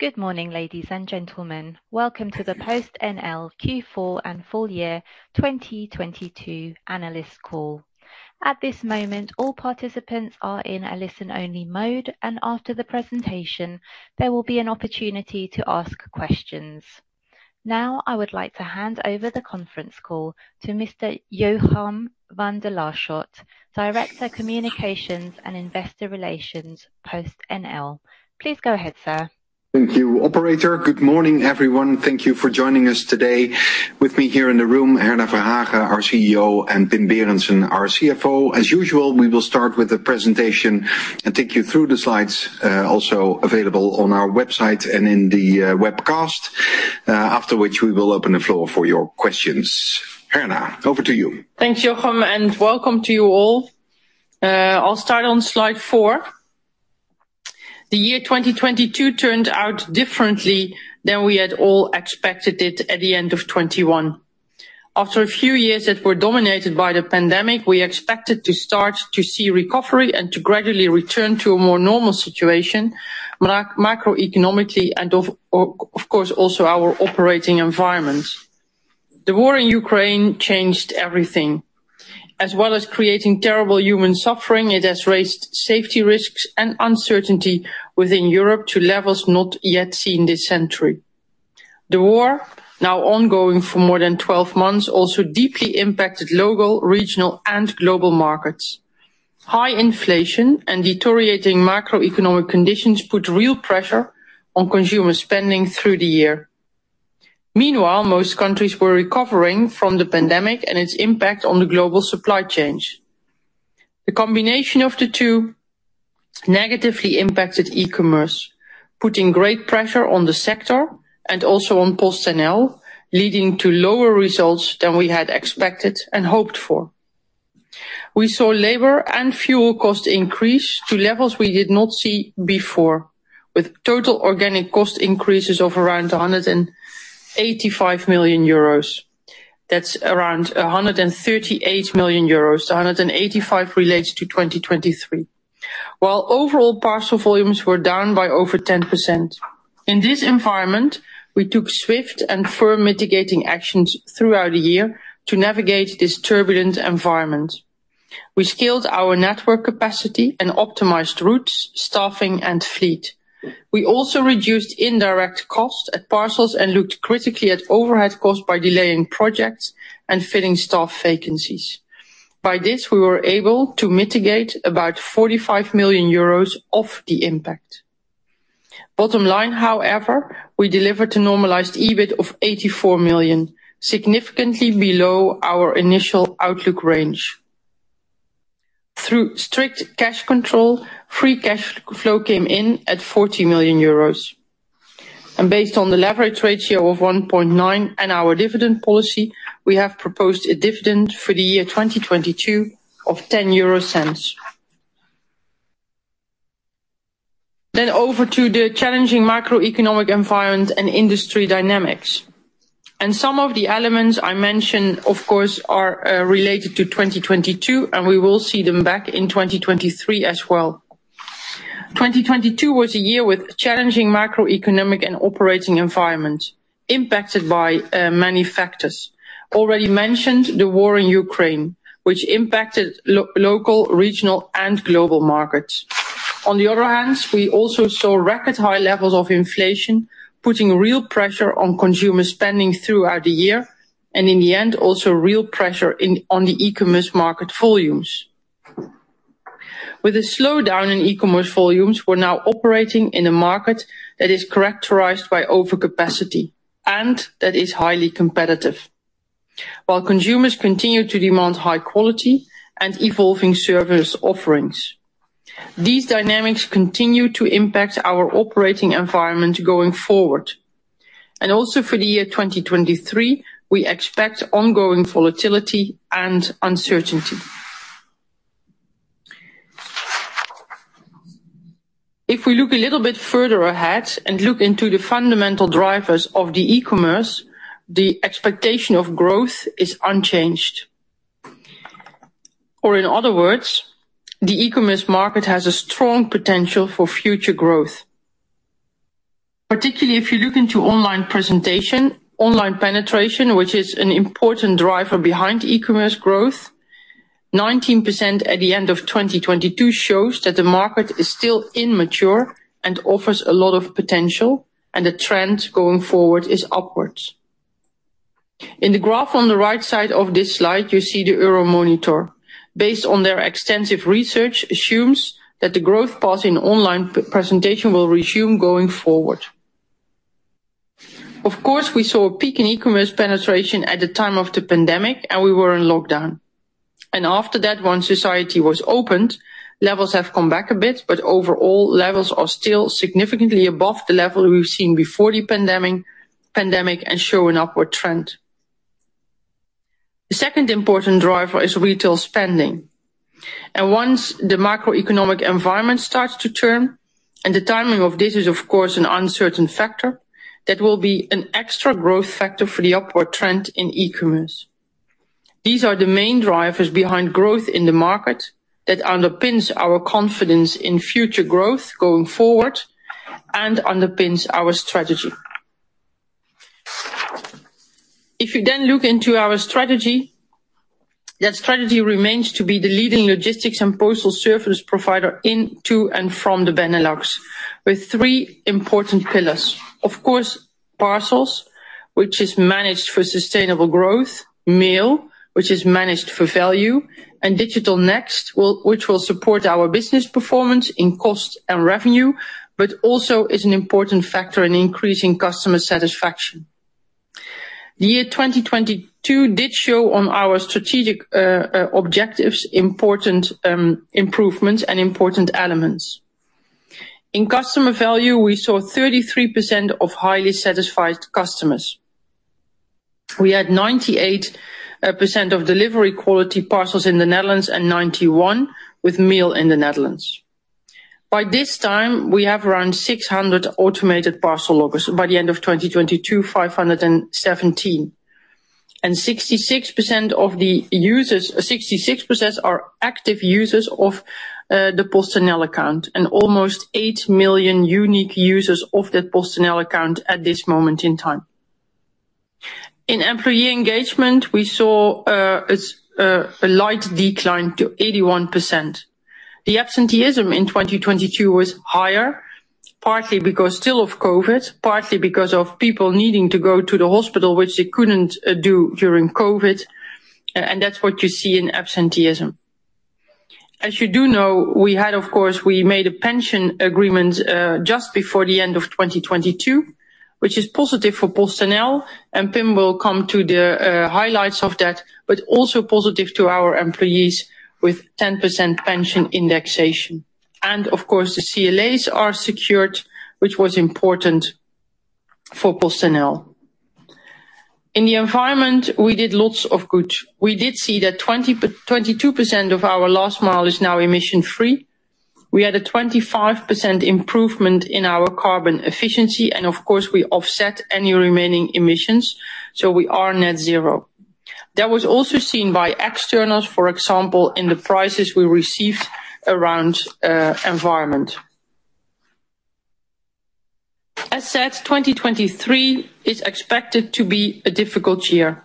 Good morning, ladies and gentlemen. Welcome to the PostNL Q4 and full year 2022 analyst call. At this moment, all participants are in a listen-only mode, and after the presentation, there will be an opportunity to ask questions. Now, I would like to hand over the conference call to Mr. Jochem van de Laarschot, Director Communications and Investor Relations PostNL. Please go ahead, sir. Thank you, operator. Good morning, everyone. Thank you for joining us today. With me here in the room, Herna Verhagen, our CEO, and Pim Berendsen, our CFO. As usual, we will start with a presentation and take you through the slides, also available on our website and in the webcast, after which we will open the floor for your questions. Herna, over to you. Thanks, Jochem, and welcome to you all. I'll start on slide four. The year 2022 turned out differently than we had all expected it at the end of 2021. After a few years that were dominated by the pandemic, we expected to start to see recovery and to gradually return to a more normal situation macro-economically and of course, also our operating environment. The war in Ukraine changed everything. As well as creating terrible human suffering, it has raised safety risks and uncertainty within Europe to levels not yet seen this century. The war, now ongoing for more than 12 months, also deeply impacted local, regional, and global markets. High inflation and deteriorating macroeconomic conditions put real pressure on consumer spending through the year. Meanwhile, most countries were recovering from the pandemic and its impact on the global supply chains. The combination of the two negatively impacted e-commerce, putting great pressure on the sector and also on PostNL, leading to lower results than we had expected and hoped for. We saw labor and fuel costs increase to levels we did not see before, with total organic cost increases of around 185 million euros. That's around 138 million euros. The 185 relates to 2023. Overall parcel volumes were down by over 10%. In this environment, we took swift and firm mitigating actions throughout the year to navigate this turbulent environment. We scaled our network capacity and optimized routes, staffing, and fleet. We also reduced indirect costs at parcels and looked critically at overhead costs by delaying projects and filling staff vacancies. We were able to mitigate about 45 million euros of the impact. Bottom line, however, we delivered a normalized EBIT of 84 million, significantly below our initial outlook range. Through strict cash control, free cash flow came in at 40 million euros. Based on the leverage ratio of 1.9 and our dividend policy, we have proposed a dividend for the year 2022 of 0.10. Over to the challenging macroeconomic environment and industry dynamics. Some of the elements I mentioned, of course, are related to 2022, and we will see them back in 2023 as well. 2022 was a year with challenging macroeconomic and operating environment impacted by many factors. Already mentioned, the war in Ukraine, which impacted local, regional, and global markets. The other hand, we also saw record high levels of inflation, putting real pressure on consumer spending throughout the year, and in the end, also real pressure on the e-commerce market volumes. With a slowdown in e-commerce volumes, we're now operating in a market that is characterized by overcapacity and that is highly competitive while consumers continue to demand high quality and evolving service offerings. These dynamics continue to impact our operating environment going forward. Also for the year 2023, we expect ongoing volatility and uncertainty. If we look a little bit further ahead and look into the fundamental drivers of the e-commerce, the expectation of growth is unchanged. In other words, the e-commerce market has a strong potential for future growth. Particularly if you look into online penetration, which is an important driver behind e-commerce growth, 19% at the end of 2022 shows that the market is still immature and offers a lot of potential. The trend going forward is upwards. In the graph on the right side of this slide, you see the Euromonitor. Based on their extensive research assumes that the growth path in online penetration will resume going forward. Of course, we saw a peak in e-commerce penetration at the time of the pandemic, and we were on lockdown. After that, once society was opened, levels have come back a bit, but overall, levels are still significantly above the level we've seen before the pandemic and show an upward trend. The second important driver is retail spending. Once the macroeconomic environment starts to turn, and the timing of this is of course an uncertain factor, that will be an extra growth factor for the upward trend in e-commerce. These are the main drivers behind growth in the market that underpins our confidence in future growth going forward and underpins our strategy. If you look into our strategy, that strategy remains to be the leading logistics and postal service provider into and from the Benelux, with three important pillars. Of course, parcels, which is managed for sustainable growth. Mail, which is managed for value. Digital Next, which will support our business performance in cost and revenue, but also is an important factor in increasing customer satisfaction. The year 2022 did show on our strategic objectives important improvements and important elements. In customer value, we saw 33% of highly satisfied customers. We had 98% of delivery quality parcels in the Netherlands and 91 with Mail in the Netherlands. By this time, we have around 600 automated parcel lockers. By the end of 2022, 517. 66% of the users are active users of the PostNL account, and almost eight million unique users of that PostNL account at this moment in time. In employee engagement, we saw a light decline to 81%. The absenteeism in 2022 was higher, partly because still of COVID, partly because of people needing to go to the hospital, which they couldn't do during COVID. That's what you see in absenteeism. As you do know, we had, of course, we made a pension agreement, just before the end of 2022, which is positive for PostNL, and Pim will come to the highlights of that, but also positive to our employees with 10% pension indexation. Of course, the CLAs are secured, which was important for PostNL. In the environment, we did lots of good. We did see that 22% of our last mile is now emission-free. We had a 25% improvement in our carbon efficiency, and of course, we offset any remaining emissions, so we are net zero. That was also seen by externals, for example, in the prices we received around environment. As said, 2023 is expected to be a difficult year,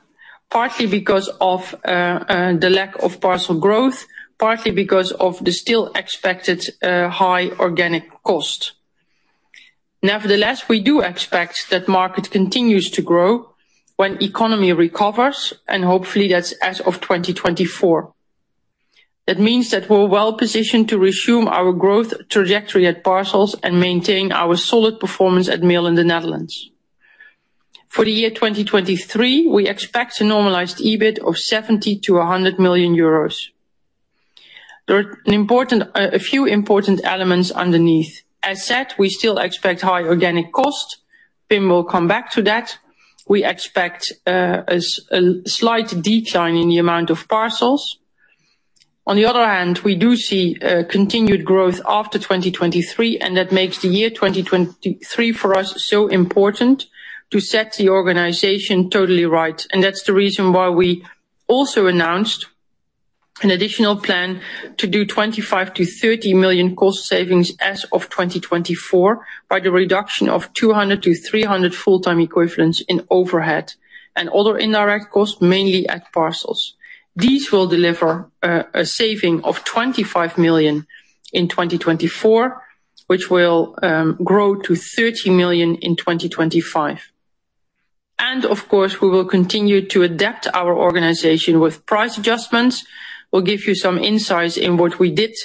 partly because of the lack of parcel growth, partly because of the still expected high organic cost. Nevertheless, we do expect that market continues to grow when economy recovers, and hopefully that's as of 2024. That means that we're well-positioned to resume our growth trajectory at parcels and maintain our solid performance at Mail in the Netherlands. For the year 2023, we expect a normalized EBIT of 70 million-100 million euros. There are a few important elements underneath. As said, we still expect high organic cost. Pim will come back to that. We expect a slight decline in the amount of parcels. On the other hand, we do see continued growth after 2023. That makes the year 2023 for us so important to set the organization totally right. That's the reason why we also announced an additional plan to do 25 million-30 million cost savings as of 2024 by the reduction of 200-300 full-time equivalents in overhead and other indirect costs, mainly at parcels. These will deliver a saving of 25 million in 2024, which will grow to 30 million in 2025. Of course, we will continue to adapt our organization with price adjustments. We'll give you some insights in what we did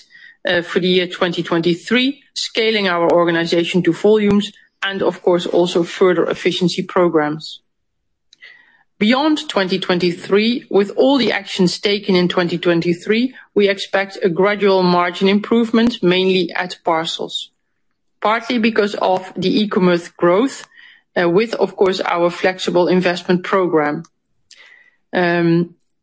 for the year 2023, scaling our organization to volumes and of course, also further efficiency programs. Beyond 2023, with all the actions taken in 2023, we expect a gradual margin improvement, mainly at parcels. Partly because of the e-commerce growth, with of course our flexible investment program.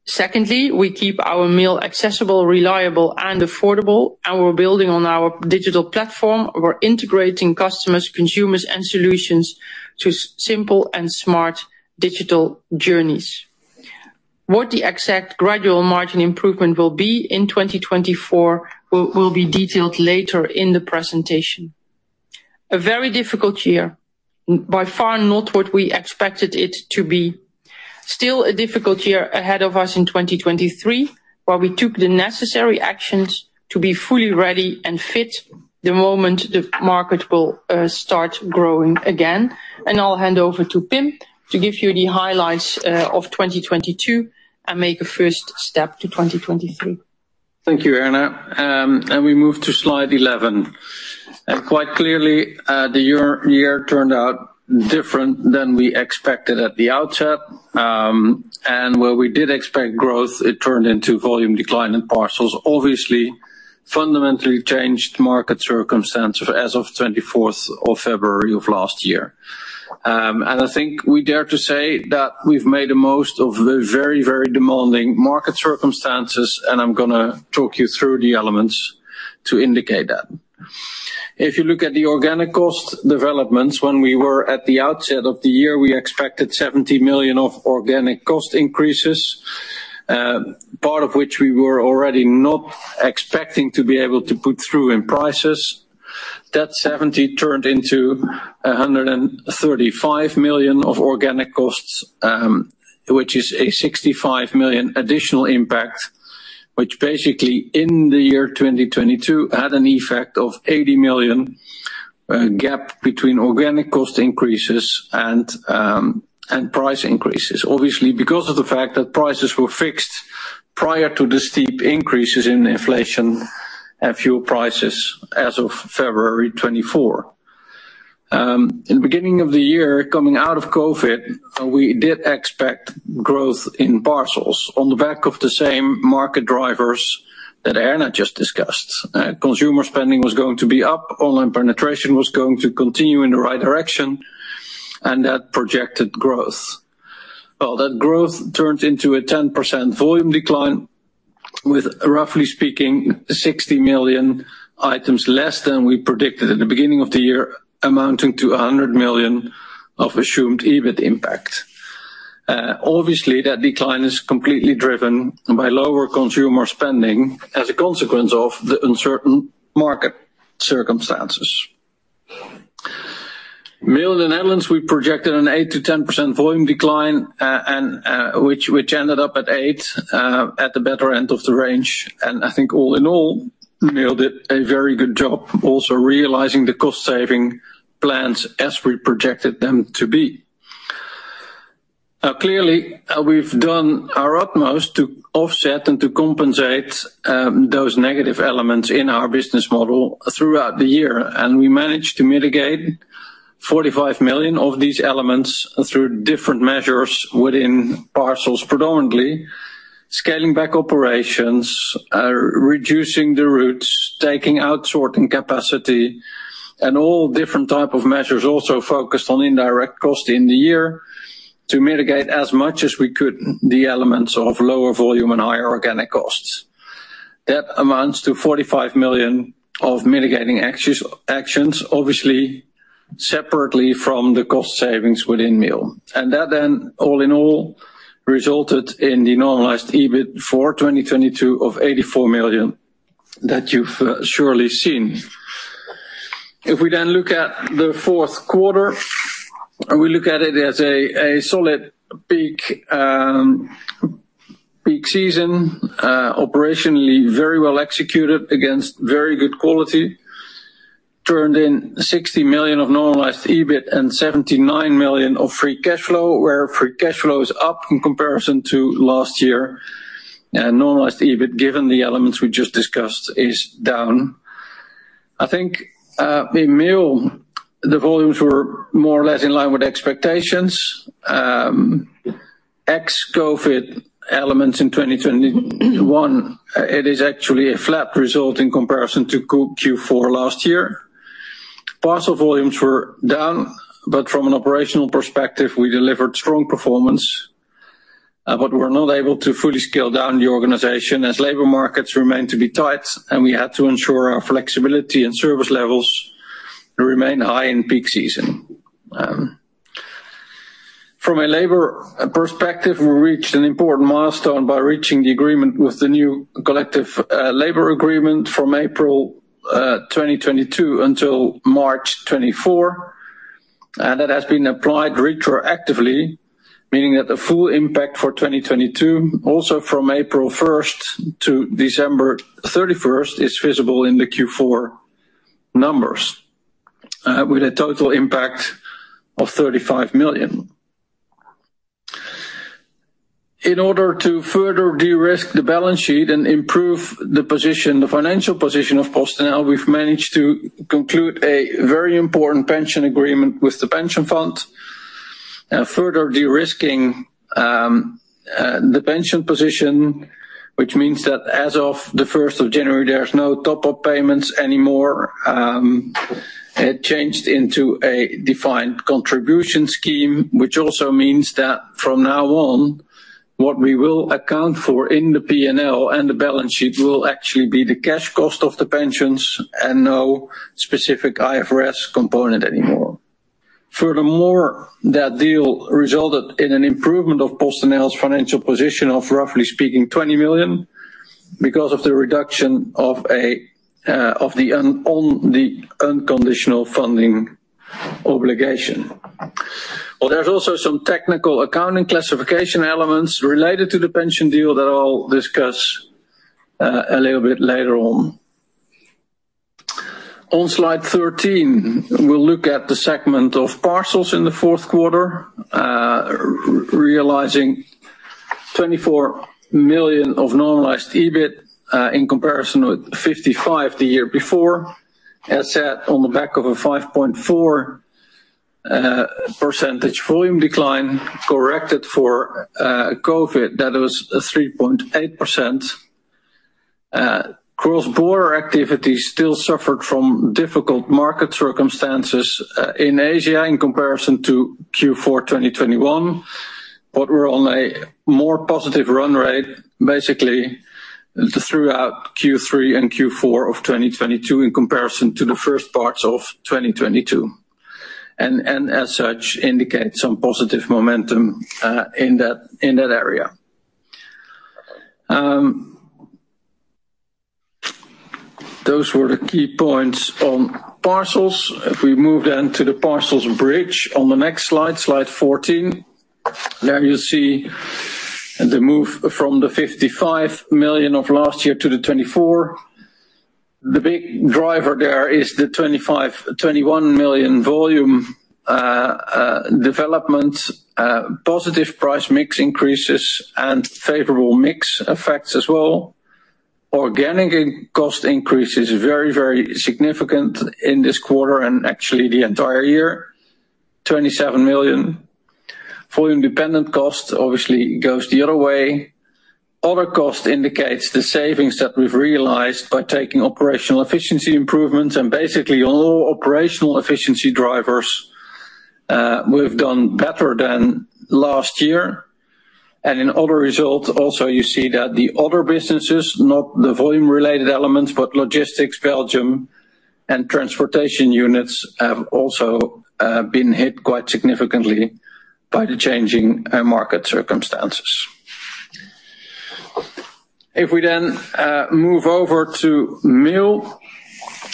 Secondly, we keep our mail accessible, reliable, and affordable, and we're building on our digital platform. We're integrating customers, consumers, and solutions to simple and smart digital journeys. What the exact gradual margin improvement will be in 2024 will be detailed later in the presentation. A very difficult year. By far not what we expected it to be. Still a difficult year ahead of us in 2023, where we took the necessary actions to be fully ready and fit the moment the market will start growing again. I'll hand over to Pim to give you the highlights of 2022 and make a first step to 2023. Thank you, Herna. We move to slide 11. Quite clearly, the year turned out different than we expected at the outset. Where we did expect growth, it turned into volume decline in parcels. Obviously, fundamentally changed market circumstances as of 24th of February of last year. I think we dare to say that we've made the most of the very demanding market circumstances, and I'm gonna talk you through the elements to indicate that. If you look at the organic cost developments, when we were at the outset of the year, we expected 70 million of organic cost increases, part of which we were already not expecting to be able to put through in prices. That 70 turned into 135 million of organic costs, which is a 65 million additional impact. Basically, in the year 2022, had an effect of 80 million gap between organic cost increases and price increases. Obviously, because of the fact that prices were fixed prior to the steep increases in inflation and fuel prices as of February 24. In the beginning of the year, coming out of COVID, we did expect growth in parcels on the back of the same market drivers that Herna just discussed. Consumer spending was going to be up, online penetration was going to continue in the right direction, and that projected growth. Well, that growth turned into a 10% volume decline with roughly speaking 60 million items less than we predicted at the beginning of the year, amounting to 100 million of assumed EBIT impact. Obviously, that decline is completely driven by lower consumer spending as a consequence of the uncertain market circumstances. Mail in the Netherlands, we projected an 8%-10% volume decline, and which ended up at eight at the better end of the range. I think all in all, Mail did a very good job also realizing the cost-saving plans as we projected them to be. Clearly, we've done our utmost to offset and to compensate those negative elements in our business model throughout the year. We managed to mitigate 45 million of these elements through different measures within parcels predominantly. Scaling back operations, reducing the routes, taking out sorting capacity, and all different type of measures also focused on indirect cost in the year to mitigate as much as we could the elements of lower volume and higher organic costs. That amounts to 45 million of mitigating actions, obviously separately from the cost savings within Mail. That then, all in all, resulted in the normalized EBIT for 2022 of 84 million that you've surely seen. If we then look at the fourth quarter, we look at it as a solid peak season. Operationally very well executed against very good quality. Turned in 60 million of normalized EBIT and 79 million of free cash flow, where free cash flow is up in comparison to last year. Normalized EBIT, given the elements we just discussed, is down. I think, in Mail, the volumes were more or less in line with expectations. Ex-COVID elements in 2021, it is actually a flat result in comparison to Q4 last year. Parcel volumes were down, but from an operational perspective, we delivered strong performance. But we're not able to fully scale down the organization as labor markets remain to be tight, and we had to ensure our flexibility and service levels remain high in peak season. From a labor perspective, we reached an important milestone by reaching the agreement with the new collective labor agreement from April 2022 until March 2024. That has been applied retroactively, meaning that the full impact for 2022, also from April 1st to December 31st, is visible in the Q4 numbers, with a total impact of 35 million. In order to further de-risk the balance sheet and improve the position, the financial position of PostNL, we've managed to conclude a very important pension agreement with the pension fund. further de-risking the pension position, which means that as of the first of January, there's no top-up payments anymore. It changed into a defined contribution scheme, which also means that from now on, what we will account for in the P&L and the balance sheet will actually be the cash cost of the pensions and no specific IFRS component anymore. That deal resulted in an improvement of PostNL's financial position of, roughly speaking, 20 million because of the reduction of the unconditional funding obligation. There's also some technical accounting classification elements related to the pension deal that I'll discuss a little bit later on. On slide 13, we'll look at the segment of parcels in the fourth quarter, realizing 24 million of normalized EBIT in comparison with 55 million the year before. As said, on the back of a 5.4% volume decline corrected for COVID, that was 3.8%. Cross-border activities still suffered from difficult market circumstances in Asia in comparison to Q4 2021. We're on a more positive run rate, basically throughout Q3 and Q4 of 2022 in comparison to the first parts of 2022. As such, indicate some positive momentum in that area. Those were the key points on parcels. If we move then to the parcels bridge on the next slide 14. There you see the move from the 55 million of last year to the 24 million. The big driver there is the 21 million volume development, positive price mix increases and favorable mix effects as well. Organic in-cost increase is very, very significant in this quarter and actually the entire year. 27 million. Volume-dependent cost, obviously goes the other way. Other cost indicates the savings that we've realized by taking operational efficiency improvements and basically all operational efficiency drivers, we've done better than last year. In other results, also you see that the other businesses, not the volume-related elements, but logistics, Belgium, and transportation units have also been hit quite significantly by the changing market circumstances. If we then move over to Mail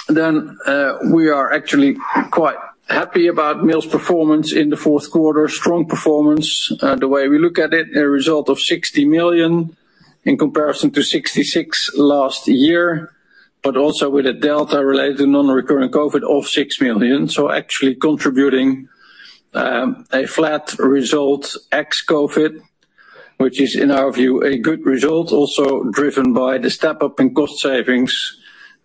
in the Netherlands, we are actually quite happy about Mail in the Netherlands' performance in the fourth quarter. Strong performance, the way we look at it, a result of 60 million in comparison to 66 million last year, also with a delta related to non-recurring COVID of 6 million. Actually contributing a flat result ex-COVID, which is in our view, a good result also driven by the step-up in cost savings,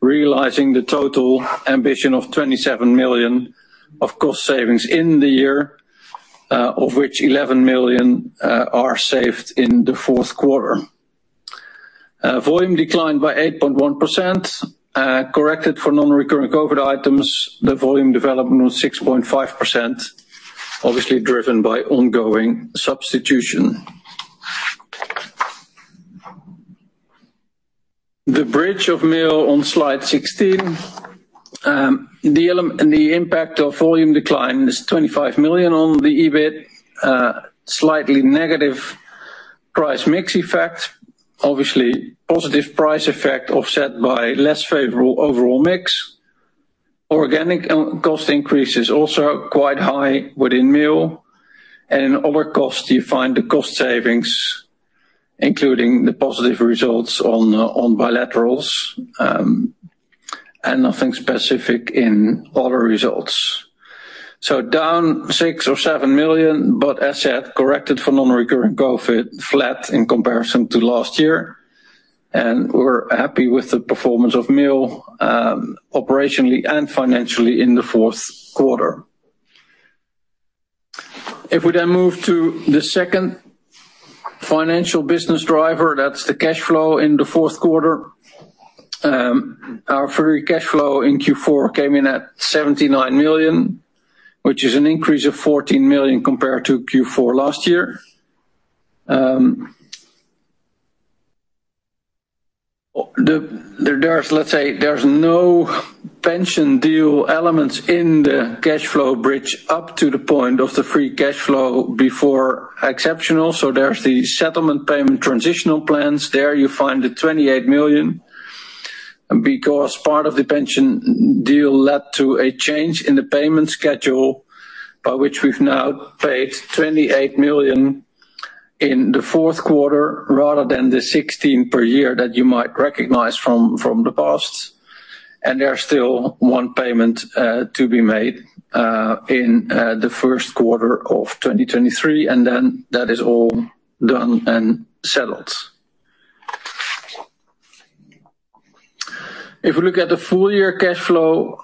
realizing the total ambition of 27 million of cost savings in the year, of which 11 million are saved in the fourth quarter. Volume declined by 8.1%, corrected for non-recurring COVID items. The volume development was 6.5%, obviously driven by ongoing substitution. The bridge of Mail on slide 16. The impact of volume decline is 25 million on the EBIT, slightly negative price mix effect. Obviously, positive price effect offset by less favorable overall mix. Organic cost increase is also quite high within mill. In other costs, you find the cost savings, including the positive results on bilaterals, and nothing specific in other results. Down 6 million or 7 million, but as said, corrected for non-recurring COVID, flat in comparison to last year. We're happy with the performance of mill operationally and financially in the fourth quarter. We then move to the second financial business driver, that's the cash flow in the fourth quarter. Our free cash flow in Q4 came in at 79 million, which is an increase of 14 million compared to Q4 last year. Let's say there's no pension deal elements in the cash flow bridge up to the point of the free cash flow before exceptional. There's the settlement payment transitional plans. There you find the 28 million, because part of the pension deal led to a change in the payment schedule by which we've now paid 28 million in the fourth quarter rather than the 16 per year that you might recognize from the past. There are still one payment to be made in the first quarter of 2023, and then that is all done and settled. If we look at the full year cash flow,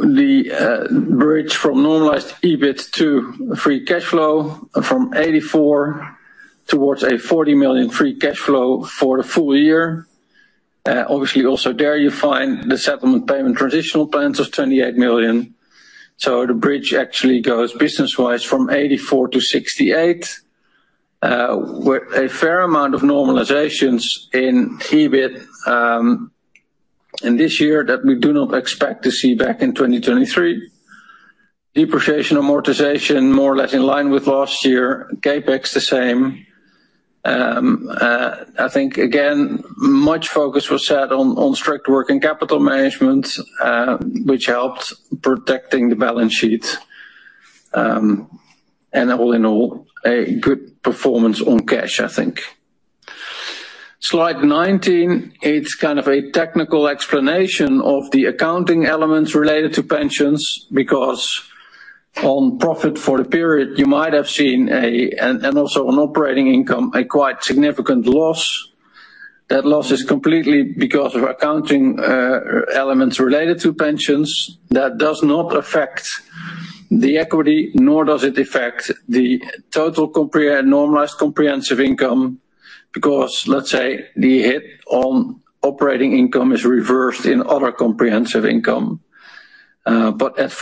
the bridge from normalized EBIT to free cash flow from 84 towards a 40 million free cash flow for the full year. Obviously also there you find the settlement payment transitional plans of 28 million. The bridge actually goes business-wise from 84 to 68. With a fair amount of normalizations in EBIT in this year that we do not expect to see back in 2023. Depreciation, amortization, more or less in line with last year. CapEx, the same. I think again, much focus was set on strict working capital management, which helped protecting the balance sheet. All in all, a good performance on cash, I think. Slide 19, it's kind of a technical explanation of the accounting elements related to pensions, because on profit for the period, you might have seen and also on operating income, a quite significant loss. That loss is completely because of accounting elements related to pensions. That does not affect the equity, nor does it affect the total compre... normalized comprehensive income) - correct. * "operating income" (general term) - correct. * "other comprehensive income" (glossary: other comprehensive income) - correct. *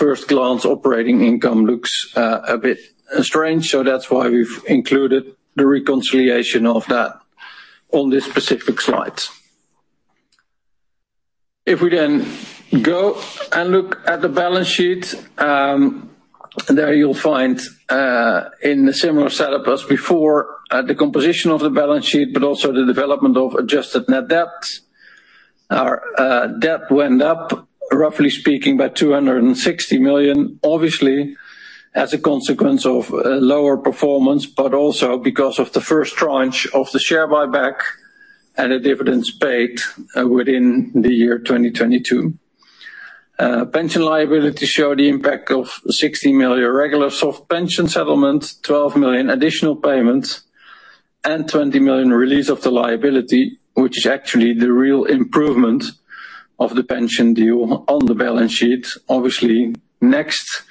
"balance sheet" (general term) - correct. * "adjusted net debt" (glossary: adjusted net debt) - correct. * "share buyback" (glossary: share buyback) - correct. 4. **Convert spoken numbers to numeric form:** * "two hundred and sixty million" -> "260 million" * "twenty twenty-two" -> "2022" 5. **Apply currency formatting:** The primary currency is EUR. "260 million" will become "EUR 260 million". 6. **Punctuation:** Ensure correct terminal punctuation. 7. **Final review:** Check against all rules Pension liability show the impact of 60 million regular soft pension settlement, 12 million additional payments, and 20 million release of the liability, which is actually the real improvement of the pension due on the balance sheet. Obviously, next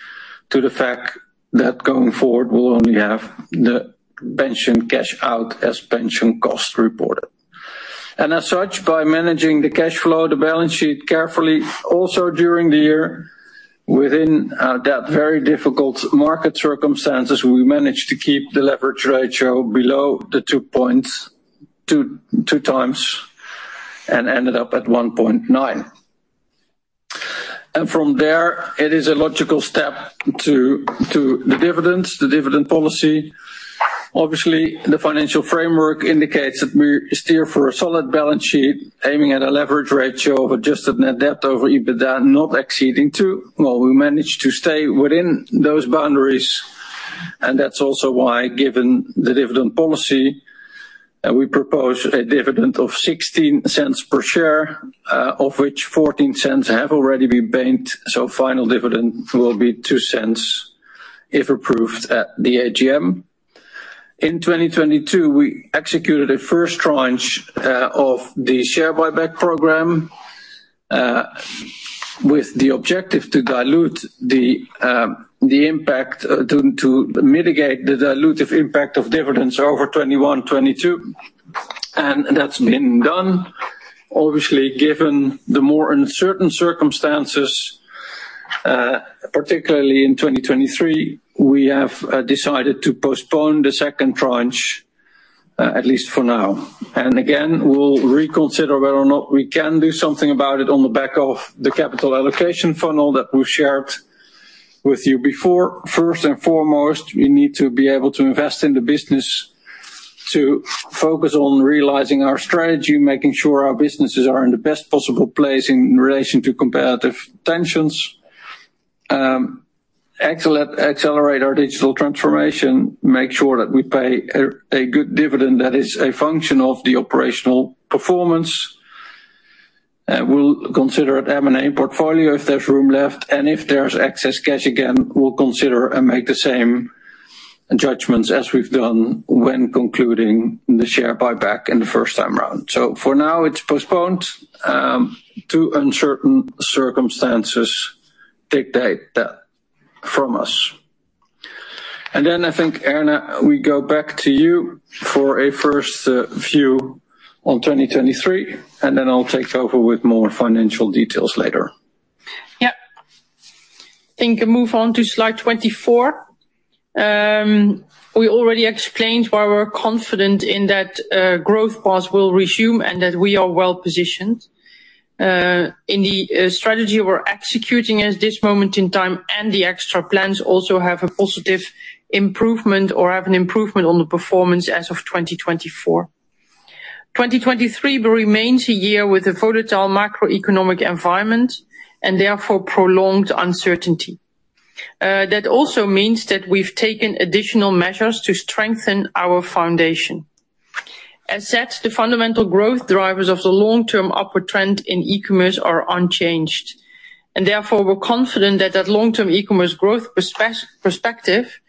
to the fact that going forward, we'll only have the pension cash out as pension costs reported. As such, by managing the cash flow, the balance sheet carefully, also during the year, within that very difficult market circumstances, we managed to keep the leverage ratio below the 2.2 times, and ended up at 1.9. From there, it is a logical step to the dividends, the dividend policy. Obviously, the financial framework indicates that we steer for a solid balance sheet, aiming at a leverage ratio of adjusted net debt over EBITDA not exceeding two. We managed to stay within those boundaries, and that's also why, given the dividend policy, we propose a dividend of 0.16 per share, of which 0.14 have already been banked, so final dividend will be 0.02 if approved at the AGM. In 2022, we executed a first tranche of the share buyback program with the objective to mitigate the dilutive impact of dividends over 2021, 2022, and that's been done. Obviously, given the more uncertain circumstances, particularly in 2023, we have decided to postpone the second tranche at least for now. Again, we'll reconsider whether or not we can do something about it on the back of the capital allocation funnel that we've shared with you before. First and foremost, we need to be able to invest in the business to focus on realizing our strategy, making sure our businesses are in the best possible place in relation to competitive tensions. accelerate our digital transformation, make sure that we pay a good dividend that is a function of the operational performance. We'll consider an M&A portfolio if there's room left, if there's excess cash again, we'll consider and make the same judgments as we've done when concluding the share buyback in the first time around. For now, it's postponed, to uncertain circumstances dictate that from us. I think, Herna, we go back to you for a first view on 2023, I'll take over with more financial details later. Yeah. Think move on to slide 24. We already explained why we're confident in that growth path will resume and that we are well-positioned. In the strategy we're executing at this moment in time and the extra plans also have a positive improvement or have an improvement on the performance as of 2024. 2023 remains a year with a volatile macroeconomic environment and therefore prolonged uncertainty. That also means that we've taken additional measures to strengthen our foundation. As such, the fundamental growth drivers of the long-term upward trend in e-commerce are unchanged. Therefore, we're confident that that long-term e-commerce growth perspective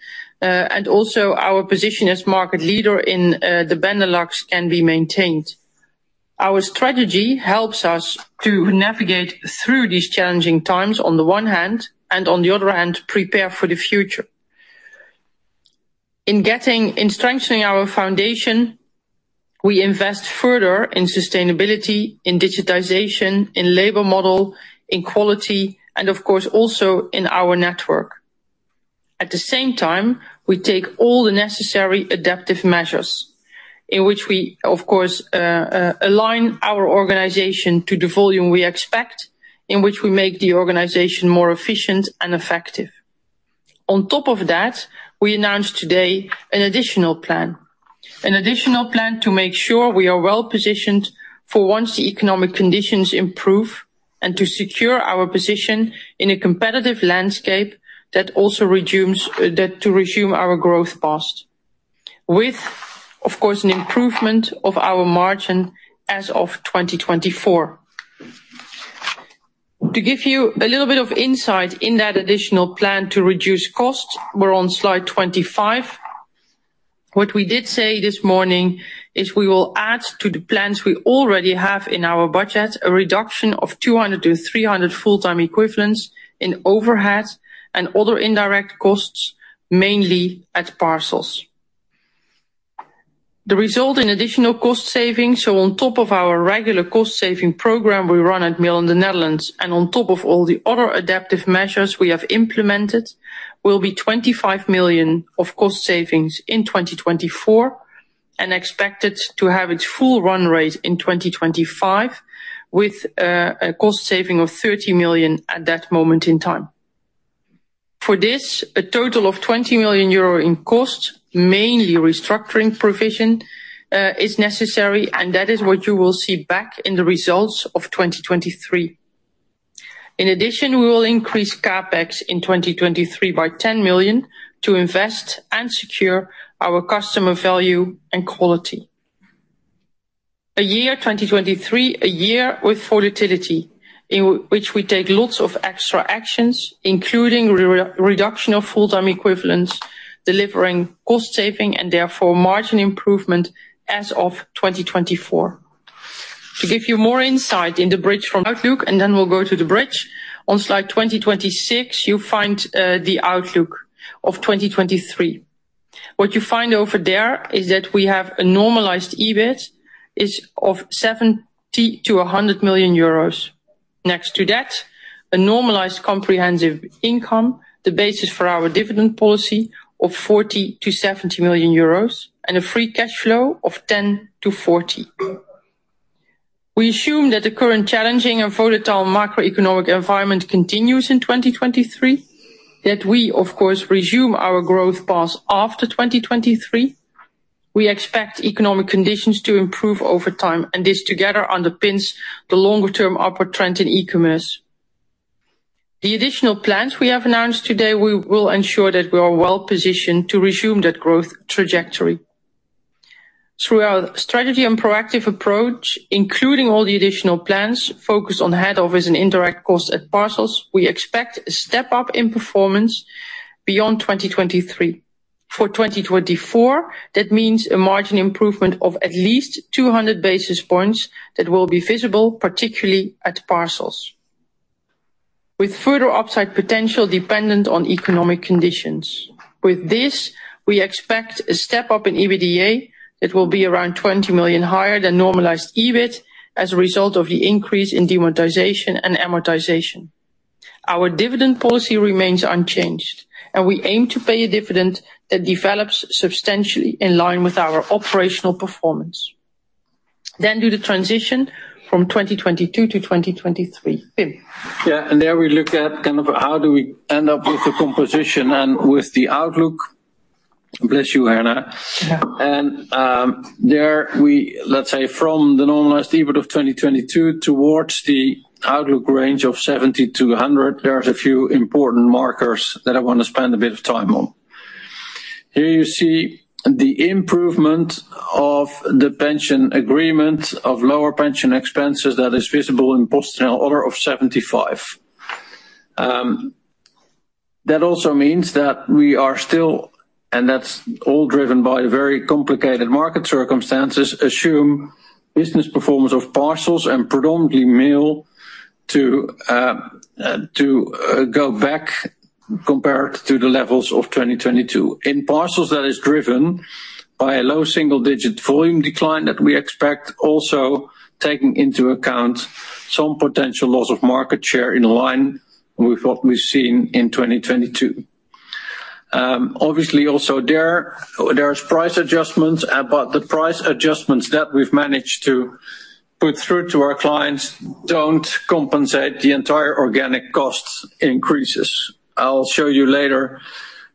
and also our position as market leader in the Benelux can be maintained. Our strategy helps us to navigate through these challenging times, on the one hand, and on the other hand, prepare for the future. In getting... In strengthening our foundation, we invest further in sustainability, in digitization, in labor model, in quality, and of course, also in our network. At the same time, we take all the necessary adaptive measures in which we, of course, align our organization to the volume we expect, in which we make the organization more efficient and effective. We announced today an additional plan. An additional plan to make sure we are well-positioned for once the economic conditions improve, and to secure our position in a competitive landscape that also resumes to resume our growth path, with, of course, an improvement of our margin as of 2024. To give you a little bit of insight in that additional plan to reduce costs, we're on slide 25. What we did say this morning is we will add to the plans we already have in our budget a reduction of 200-300 full-time equivalents in overhead and other indirect costs, mainly at parcels. The result in additional cost savings are on top of our regular cost saving program we run at Mail in the Netherlands, and on top of all the other adaptive measures we have implemented, will be 25 million of cost savings in 2024, and expected to have its full run rate in 2025, with a cost saving of 30 million at that moment in time. For this, a total of 20 million euro in costs, mainly restructuring provision, is necessary, and that is what you will see back in the results of 2023. We will increase CapEx in 2023 by 10 million to invest and secure our customer value and quality. A year 2023, a year with volatility in which we take lots of extra actions, including re-reduction of full-time equivalents, delivering cost saving and therefore margin improvement as of 2024. To give you more insight in the bridge from outlook, we'll go to the bridge, on slide 26, you find the outlook of 2023. What you find over there is that we have a normalized EBIT is of 70 million-100 million euros. Next to that, a normalized comprehensive income, the basis for our dividend policy of 40 million-70 million euros and a free cash flow of 10 million-40 million. We assume that the current challenging and volatile macroeconomic environment continues in 2023, that we of course resume our growth path after 2023. We expect economic conditions to improve over time, and this together underpins the longer-term upward trend in e-commerce. The additional plans we have announced today, we will ensure that we are well-positioned to resume that growth trajectory. Through our strategy and proactive approach, including all the additional plans, focus on head office and indirect costs at parcels, we expect a step up in performance beyond 2023. For 2024, that means a margin improvement of at least 200 basis points that will be visible, particularly at parcels. With further upside potential dependent on economic conditions. With this, we expect a step up in EBITDA that will be around 20 million higher than normalized EBIT as a result of the increase in demonetization and amortization. Our dividend policy remains unchanged, and we aim to pay a dividend that develops substantially in line with our operational performance. Do the transition from 2022 to 2023. Pim. There we look at kind of how do we end up with the composition and with the outlook. Bless you, Herna. Yeah. Let's say from the normalised EBIT of 2022 towards the outlook range of 70-100, there's a few important markers that I want to spend a bit of time on. Here you see the improvement of the pension agreement of lower pension expenses that is visible in postal order of 75. That also means that we are still, and that's all driven by very complicated market circumstances, assume business performance of parcels and predominantly mail to go back compared to the levels of 2022. In parcels that is driven by a low single-digit volume decline that we expect, also taking into account some potential loss of market share in line with what we've seen in 2022. Obviously also there's price adjustments, but the price adjustments that we've managed to put through to our clients don't compensate the entire organic costs increases. I'll show you later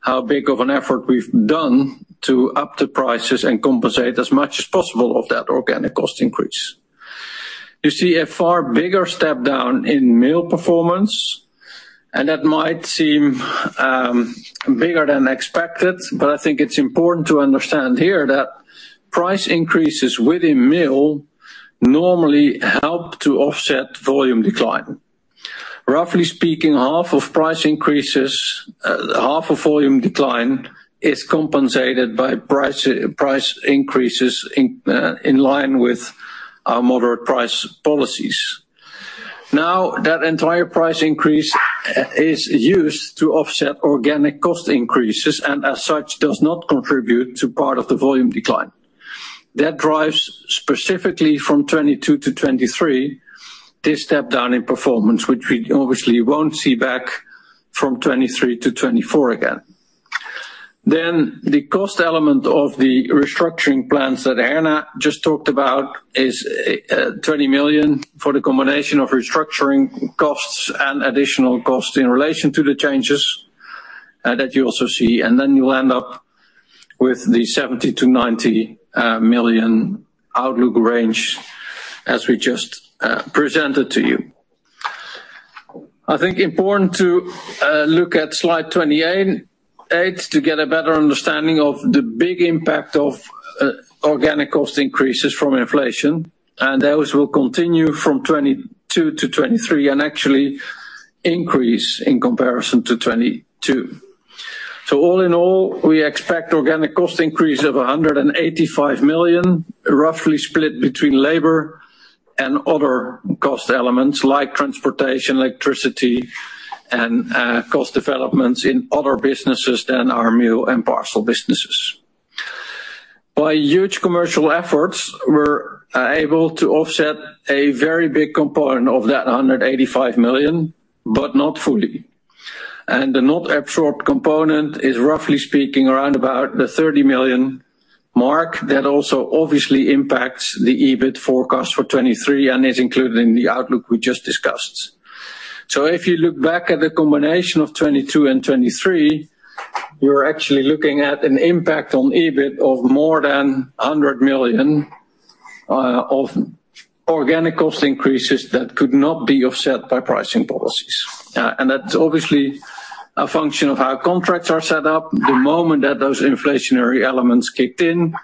how big of an effort we've done to up the prices and compensate as much as possible of that organic cost increase. You see a far bigger step down in mail performance, that might seem bigger than expected, but I think it's important to understand here that price increases within mail normally help to offset volume decline. Roughly speaking, half of price increases, half of volume decline is compensated by price increases in line with our moderate price policies. That entire price increase is used to offset organic cost increases, and as such, does not contribute to part of the volume decline. That drives specifically from 2022 to 2023, this step down in performance, which we obviously won't see back from 2023 to 2024 again. The cost element of the restructuring plans that Herna just talked about is 20 million for the combination of restructuring costs and additional costs in relation to the changes that you also see. You end up with the 70 million-90 million outlook range as we just presented to you. I think important to look at slide 28, eight to get a better understanding of the big impact of organic cost increases from inflation. Those will continue from 2022 to 2023 and actually increase in comparison to 2022. All in all, we expect organic cost increase of 185 million, roughly split between labor and other cost elements like transportation, electricity. Cost developments in other businesses than our mail and parcel businesses. By huge commercial efforts, we're able to offset a very big component of that 185 million, but not fully. The not absorbed component is roughly speaking around about the 30 million mark that also obviously impacts the EBIT forecast for 2023 and is included in the outlook we just discussed. If you look back at the combination of 2022 and 2023, we're actually looking at an impact on EBIT of more than 100 million of organic cost increases that could not be offset by pricing policies. That's obviously a function of how contracts are set up, the moment that those inflationary elements kicked in,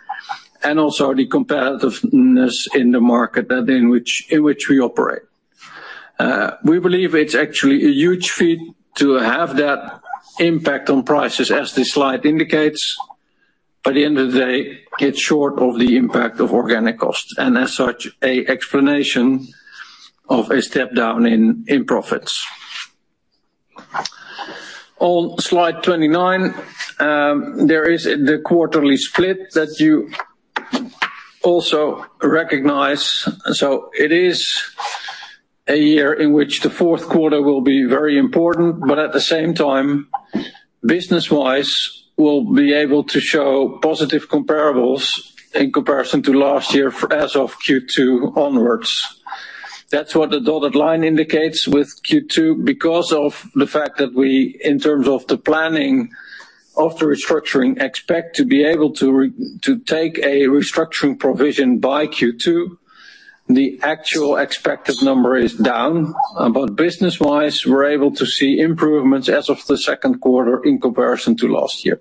and also the competitiveness in the market in which we operate. We believe it's actually a huge feat to have that impact on prices, as this slide indicates. By the end of the day, it's short of the impact of organic costs, and as such, a explanation of a step down in profits. On slide 29, there is the quarterly split that you also recognize. It is a year in which the fourth quarter will be very important, but at the same time, business-wise, we'll be able to show positive comparables in comparison to last year for as of Q2 onwards. That's what the dotted line indicates with Q2 because of the fact that we, in terms of the planning of the restructuring, expect to be able to take a restructuring provision by Q2. The actual expected number is down, but business-wise, we're able to see improvements as of the second quarter in comparison to last year.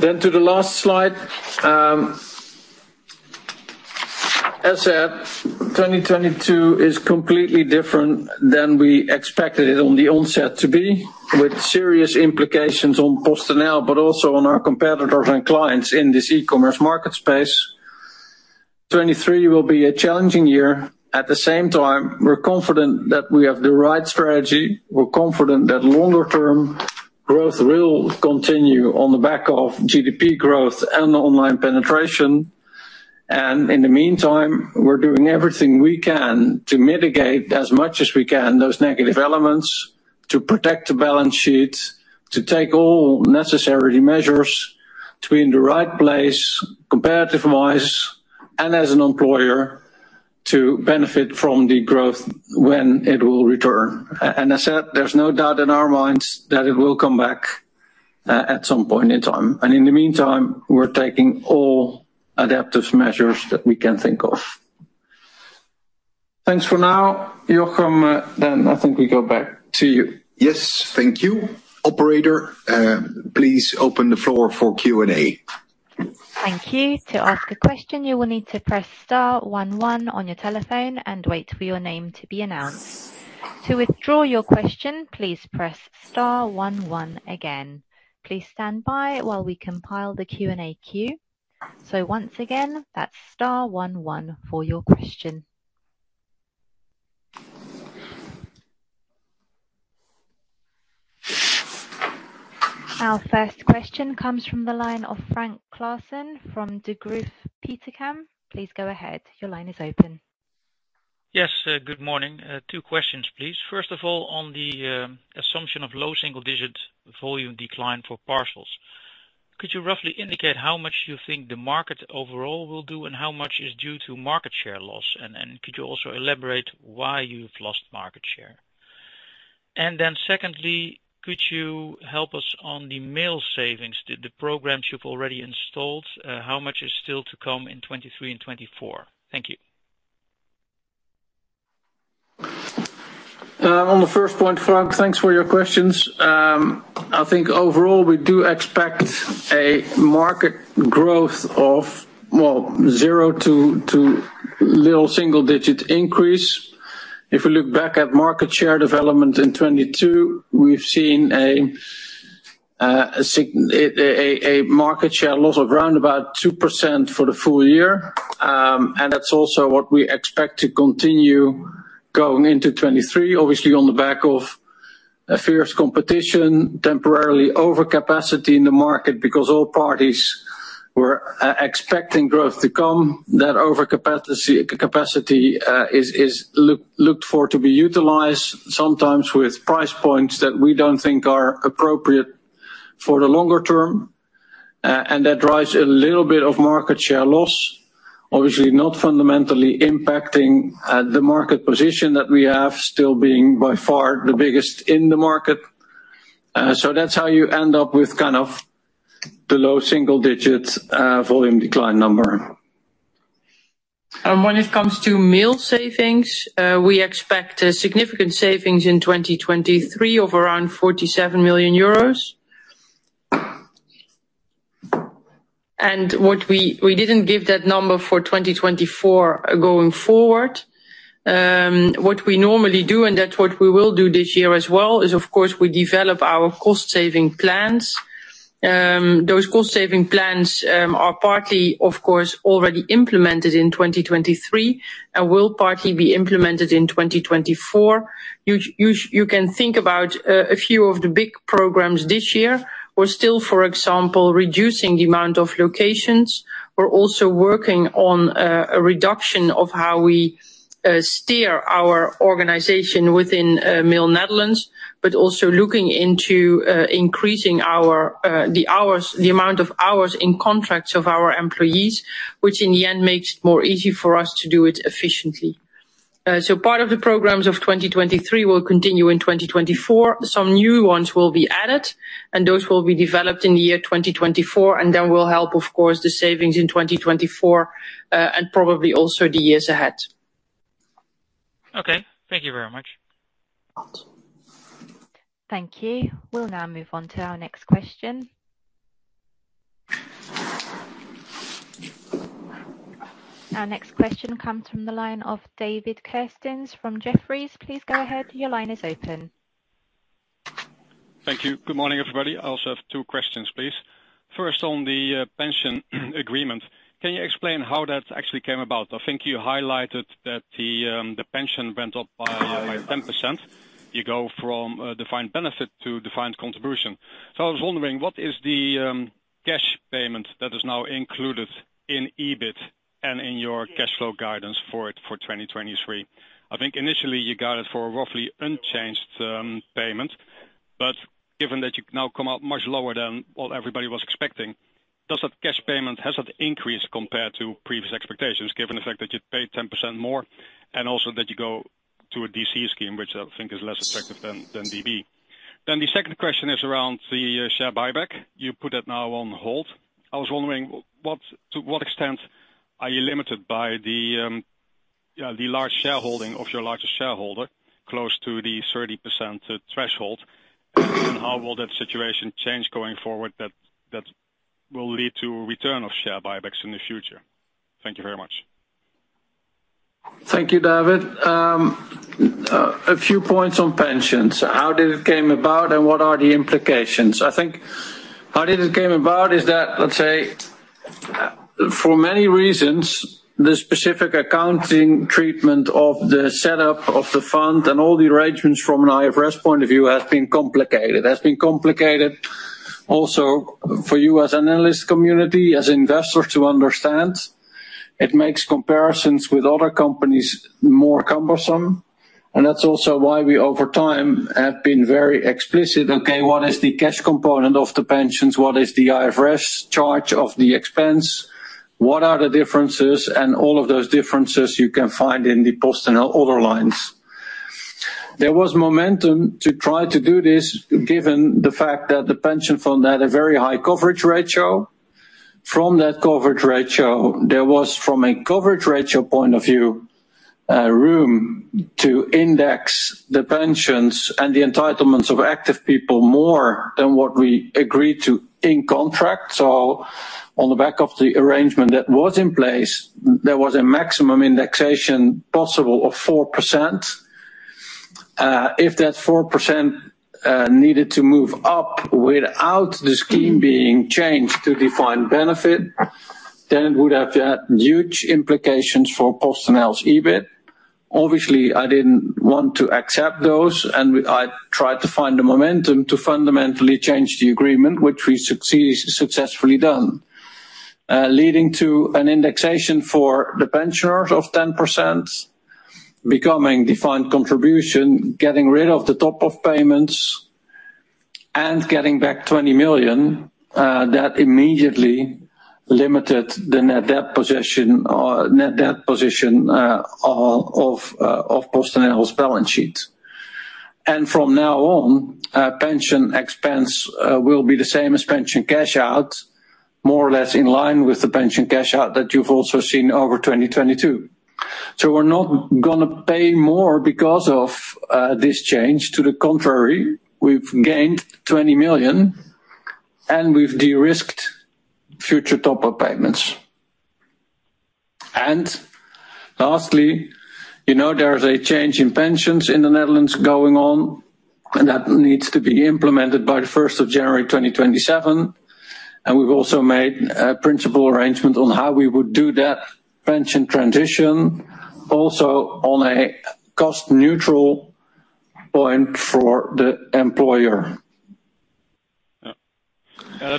To the last slide, as said, 2022 is completely different than we expected it on the onset to be, with serious implications on PostNL, but also on our competitors and clients in this e-commerce market space. 2023 will be a challenging year. At the same time, we're confident that we have the right strategy. We're confident that longer term growth will continue on the back of GDP growth and online penetration. In the meantime, we're doing everything we can to mitigate as much as we can those negative elements, to protect the balance sheet, to take all necessary measures to be in the right place competitive-wise and as an employer to benefit from the growth when it will return. I said, there's no doubt in our minds that it will come back at some point in time. In the meantime, we're taking all adaptive measures that we can think of. Thanks for now. Jochem, I think we go back to you. Yes. Thank you. Operator, please open the floor for Q&A. Thank you. To ask a question, you will need to press star one one on your telephone and wait for your name to be announced. To withdraw your question, please press star one one again. Please stand by while we compile the Q&A queue. Once again, that's star one one for your question. Our first question comes from the line of Frank Claassen from Degroof Petercam. Please go ahead. Your line is open. Yes, good morning. Two questions, please. First of all, on the assumption of low single digit volume decline for parcels, could you roughly indicate how much you think the market overall will do and how much is due to market share loss? Could you also elaborate why you've lost market share? Secondly, could you help us on the mail savings? The programs you've already installed, how much is still to come in 2023 and 2024? Thank you. On the first point, Frank, thanks for your questions. I think overall we do expect a market growth of, well, zero to little single-digit increase. If we look back at market share development in 22, we've seen a market share loss of round about 2% for the full year. That's also what we expect to continue going into 23, obviously on the back of a fierce competition, temporarily overcapacity in the market because all parties were expecting growth to come. That overcapacity is looked for to be utilized sometimes with price points that we don't think are appropriate for the longer term. That drives a little bit of market share loss, obviously not fundamentally impacting the market position that we have still being by far the biggest in the market. That's how you end up with kind of the low single digits, volume decline number. When it comes to mail savings, we expect significant savings in 2023 of around 47 million euros. We didn't give that number for 2024 going forward. What we normally do, and that's what we will do this year as well, is of course we develop our cost saving plans. Those cost saving plans are partly, of course, already implemented in 2023 and will partly be implemented in 2024. You can think about a few of the big programs this year. We're still, for example, reducing the amount of locations. We're also working on a reduction of how we steer our organization within Mail Netherlands, but also looking into increasing our the hours, the amount of hours in contracts of our employees, which in the end makes it more easy for us to do it efficiently. Part of the programs of 2023 will continue in 2024. Some new ones will be added, and those will be developed in the year 2024, and then will help, of course, the savings in 2024 and probably also the years ahead. Okay. Thank you very much. Thank you. We'll now move on to our next question. Our next question comes from the line of David Kerstens from Jefferies. Please go ahead. Your line is open. Thank you. Good morning, everybody. I also have two questions, please. First, on the pension agreement, can you explain how that actually came about? I think you highlighted that the pension went up by 10%. You go from defined benefit to defined contribution. I was wondering, what is the cash payment that is now included in EBIT and in your cash flow guidance for 2023? I think initially you got it for a roughly unchanged payment. Given that you've now come out much lower than what everybody was expecting, does that cash payment, has that increased compared to previous expectations, given the fact that you pay 10% more and also that you go to a DC scheme, which I think is less attractive than DB. The second question is around the share buyback. You put it now on hold. I was wondering to what extent are you limited by the large shareholding of your largest shareholder close to the 30% threshold? How will that situation change going forward that will lead to a return of share buybacks in the future? Thank you very much. Thank you, David. A few points on pensions. How did it came about and what are the implications? I think how did it came about is that, let's say, for many reasons, the specific accounting treatment of the setup of the fund and all the arrangements from an IFRS point of view has been complicated. It has been complicated also for you as an analyst community, as investors to understand. It makes comparisons with other companies more cumbersome, and that's also why we over time have been very explicit, okay, what is the cash component of the pensions? What is the IFRS charge of the expense? What are the differences? All of those differences you can find in the PostNL order lines. There was momentum to try to do this given the fact that the pension fund had a very high coverage ratio. From that coverage ratio, there was, from a coverage ratio point of view, room to index the pensions and the entitlements of active people more than what we agreed to in contract. On the back of the arrangement that was in place, there was a maximum indexation possible of 4%. If that 4%, needed to move up without the scheme being changed to defined benefit, then it would have had huge implications for PostNL's EBIT. Obviously, I didn't want to accept those, I tried to find the momentum to fundamentally change the agreement, which we successfully done. Leading to an indexation for the pensioners of 10%, becoming defined contribution, getting rid of the top-up payments, and getting back 20 million, that immediately limited the net debt position of PostNL's balance sheet. From now on, pension expense will be the same as pension cash out, more or less in line with the pension cash out that you've also seen over 2022. We're not going to pay more because of this change. To the contrary, we've gained 20 million and we've de-risked future top-up payments. Lastly, you know there is a change in pensions in the Netherlands going on, and that needs to be implemented by the first of January, 2027. We've also made a principle arrangement on how we would do that pension transition also on a cost-neutral point for the employer. Yeah. Yeah,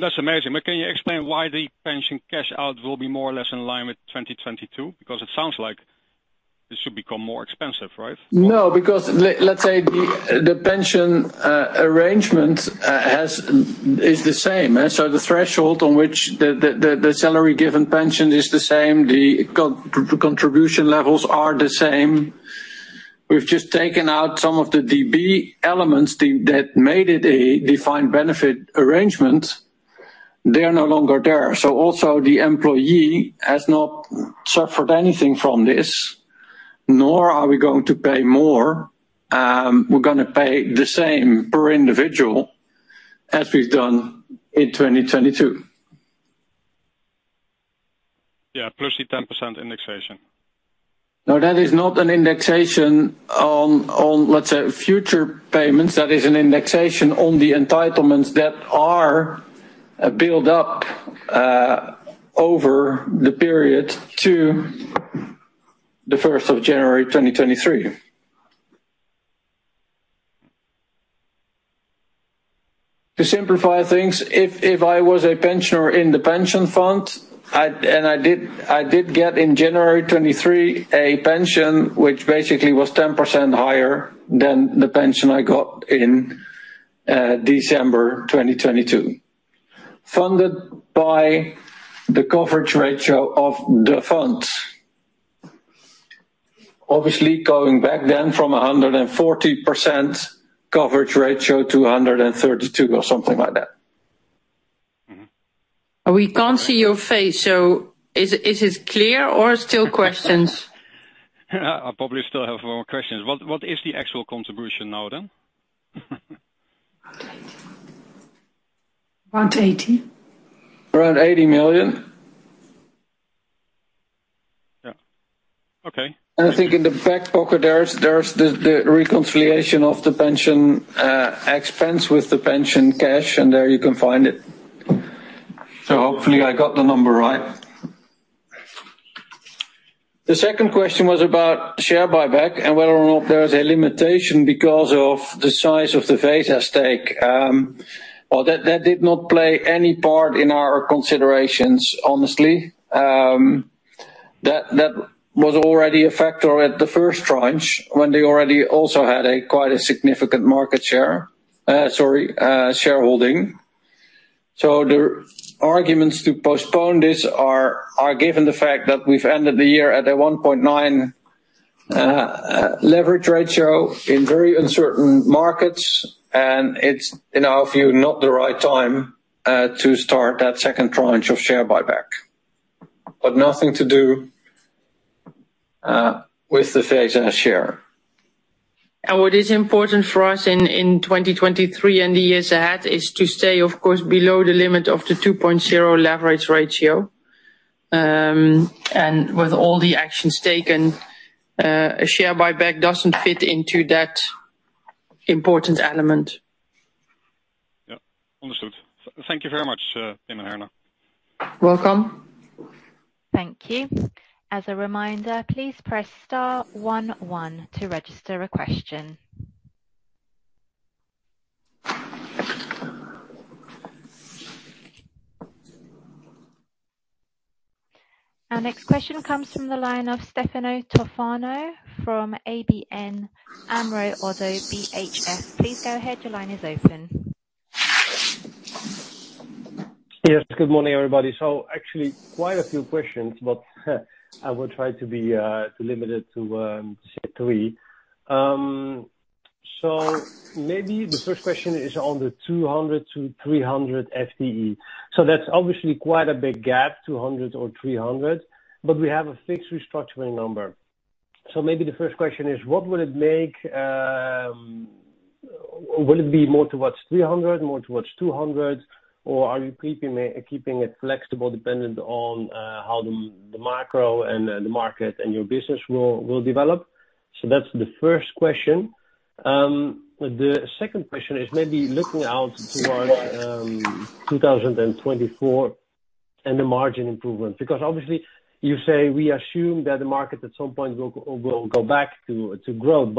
that's amazing. Can you explain why the pension cash out will be more or less in line with 2022? It sounds like this should become more expensive, right? No, because let's say the pension arrangement is the same. The threshold on which the salary-given pension is the same, the contribution levels are the same. We've just taken out some of the DB elements that made it a defined benefit arrangement. They are no longer there. The employee has not suffered anything from this, nor are we going to pay more. We're gonna pay the same per individual as we've done in 2022. Plus the 10% indexation. No, that is not an indexation on, let's say, future payments. That is an indexation on the entitlements that are built up over the period to the first of January 2023. To simplify things, if I was a pensioner in the pension fund, and I did get in January 23 a pension which basically was 10% higher than the pension I got in December 2022, funded by the coverage ratio of the fund. Obviously going back then from 140% coverage ratio to 132 or something like that. Mm-hmm. We can't see your face, so is it clear or still questions? I probably still have more questions. What is the actual contribution now, then? Around 80. Around 80 million. Yeah. Okay. I think in the back pocket there's the reconciliation of the pension expense with the pension cash, and there you can find it. Hopefully I got the number right. The second question was about share buyback and whether or not there is a limitation because of the size of the Vesa stake. Well, that did not play any part in our considerations, honestly. That was already a factor at the first tranche when they already also had a quite a significant market share. Sorry, shareholding. The arguments to postpone this are given the fact that we've ended the year at a 1.9 leverage ratio in very uncertain markets, and it's in our view not the right time to start that second tranche of share buyback. Nothing to do with the Vesa share. What is important for us in 2023 and the years ahead is to stay, of course, below the limit of the 2.0 leverage ratio. With all the actions taken, a share buyback doesn't fit into that important element. Yeah. Understood. Thank you very much, Pim and Herna. Welcome. Thank you. As a reminder, please press star one one to register a question. Our next question comes from the line of Stefano Toffano from ABN AMRO ODDO BHF. Please go ahead, your line is open. Yes, good morning, everybody. Actually, quite a few questions, but I will try to limit it to say three. Maybe the first question is on the 200-300 FTE. That's obviously quite a big gap, 200 or 300, but we have a fixed restructuring number. Maybe the first question is, what will it make? Will it be more towards 300, more towards 200? Or are you keeping it flexible dependent on how the macro and the market and your business will develop? That's the first question. The second question is maybe looking out towards 2024 and the margin improvement, because obviously you say we assume that the market at some point will go back to growth.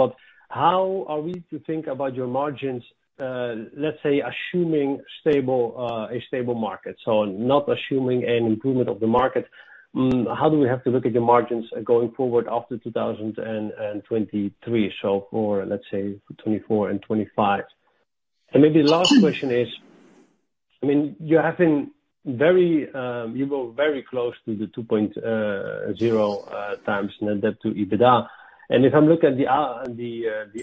How are we to think about your margins, let's say assuming stable, a stable market? Not assuming an improvement of the market, how do we have to look at the margins going forward after 2023? For, let's say 2024 and 2025. Maybe the last question is, I mean, you have been very, you were very close to the 2.0 times net debt to EBITDA. If I look at the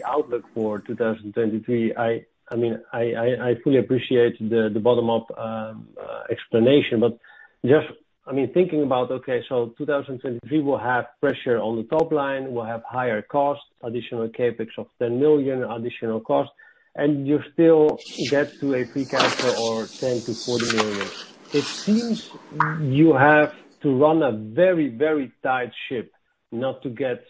outlook for 2023, I mean, I fully appreciate the bottom-up explanation. Just... I mean, thinking about, okay, 2023 we'll have pressure on the top line, we'll have higher costs, additional CapEx of 10 million, additional costs, and you still get to a free cash flow of 10 million-40 million. It seems you have to run a very tight ship not to get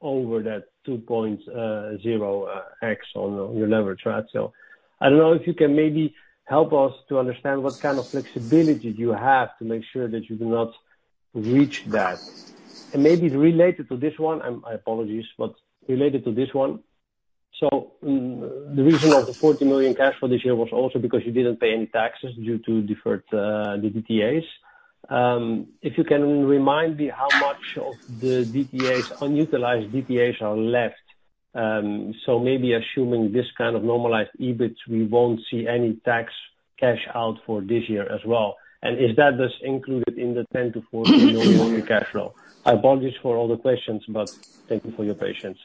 over that 2.0x on your leverage ratio. I don't know if you can maybe help us to understand what kind of flexibility you have to make sure that you do not reach that. Maybe related to this one, and my apologies, but related to this one. The reason of the 40 million cash flow this year was also because you didn't pay any taxes due to deferred DTAs. If you can remind me how much of the DTAs, unutilized DTAs are left. Maybe assuming this kind of normalized EBIT, we won't see any tax cash out for this year as well. Is that just included in the 10 million-40 million cash flow? Apologies for all the questions, thank you for your patience.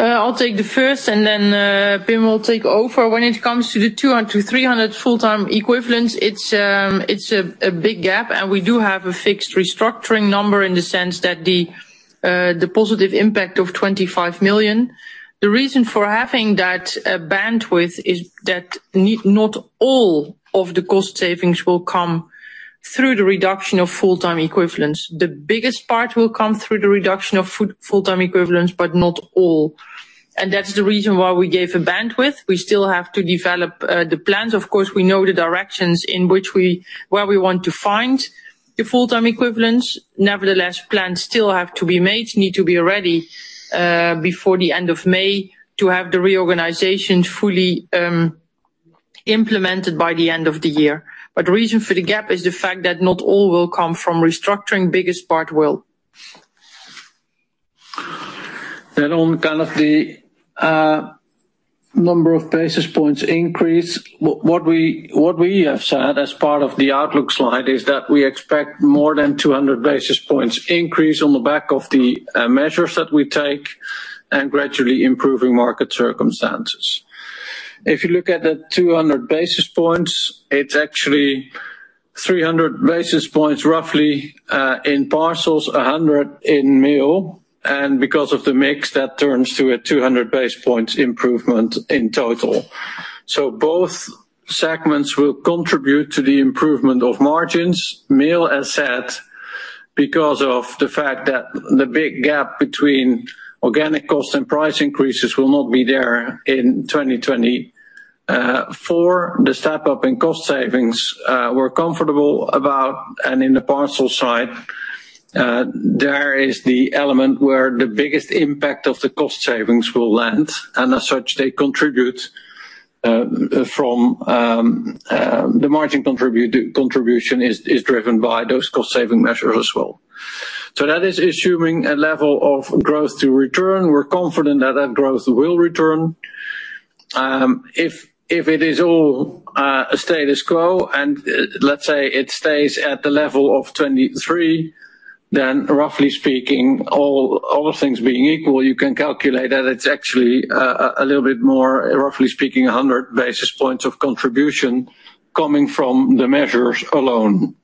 I'll take the first and then Pim will take over. When it comes to the 200-300 full-time equivalents, it's a big gap, and we do have a fixed restructuring number in the sense that the positive impact of 25 million. The reason for having that bandwidth is that not all of the cost savings will come through the reduction of full-time equivalents. The biggest part will come through the reduction of full-time equivalents, but not all. That's the reason why we gave a bandwidth. We still have to develop the plans. Of course, we know the directions in which we where we want to find the full-time equivalents. Plans still have to be made, need to be ready before the end of May to have the reorganization fully implemented by the end of the year. The reason for the gap is the fact that not all will come from restructuring. Biggest part will. On kind of the number of basis points increase, what we have said as part of the outlook slide is that we expect more than 200 basis points increase on the back of the measures that we take and gradually improving market circumstances. If you look at the 200 basis points, it's actually 300 basis points, roughly, in Parcels, 100 in Mail, and because of the mix, that turns to a 200 basis points improvement in total. Both segments will contribute to the improvement of margins. Mail, as said, because of the fact that the big gap between organic cost and price increases will not be there in 2020. For the step-up in cost savings, we're comfortable about... In the parcel side, there is the element where the biggest impact of the cost savings will land, and as such, they contribute from the margin contribution is driven by those cost saving measures as well. That is assuming a level of growth to return. We're confident that growth will return. If it is all a status quo and, let's say, it stays at the level of 23, then roughly speaking, all things being equal, you can calculate that it's actually a little bit more, roughly speaking, 100 basis points of contribution coming from the measures alone.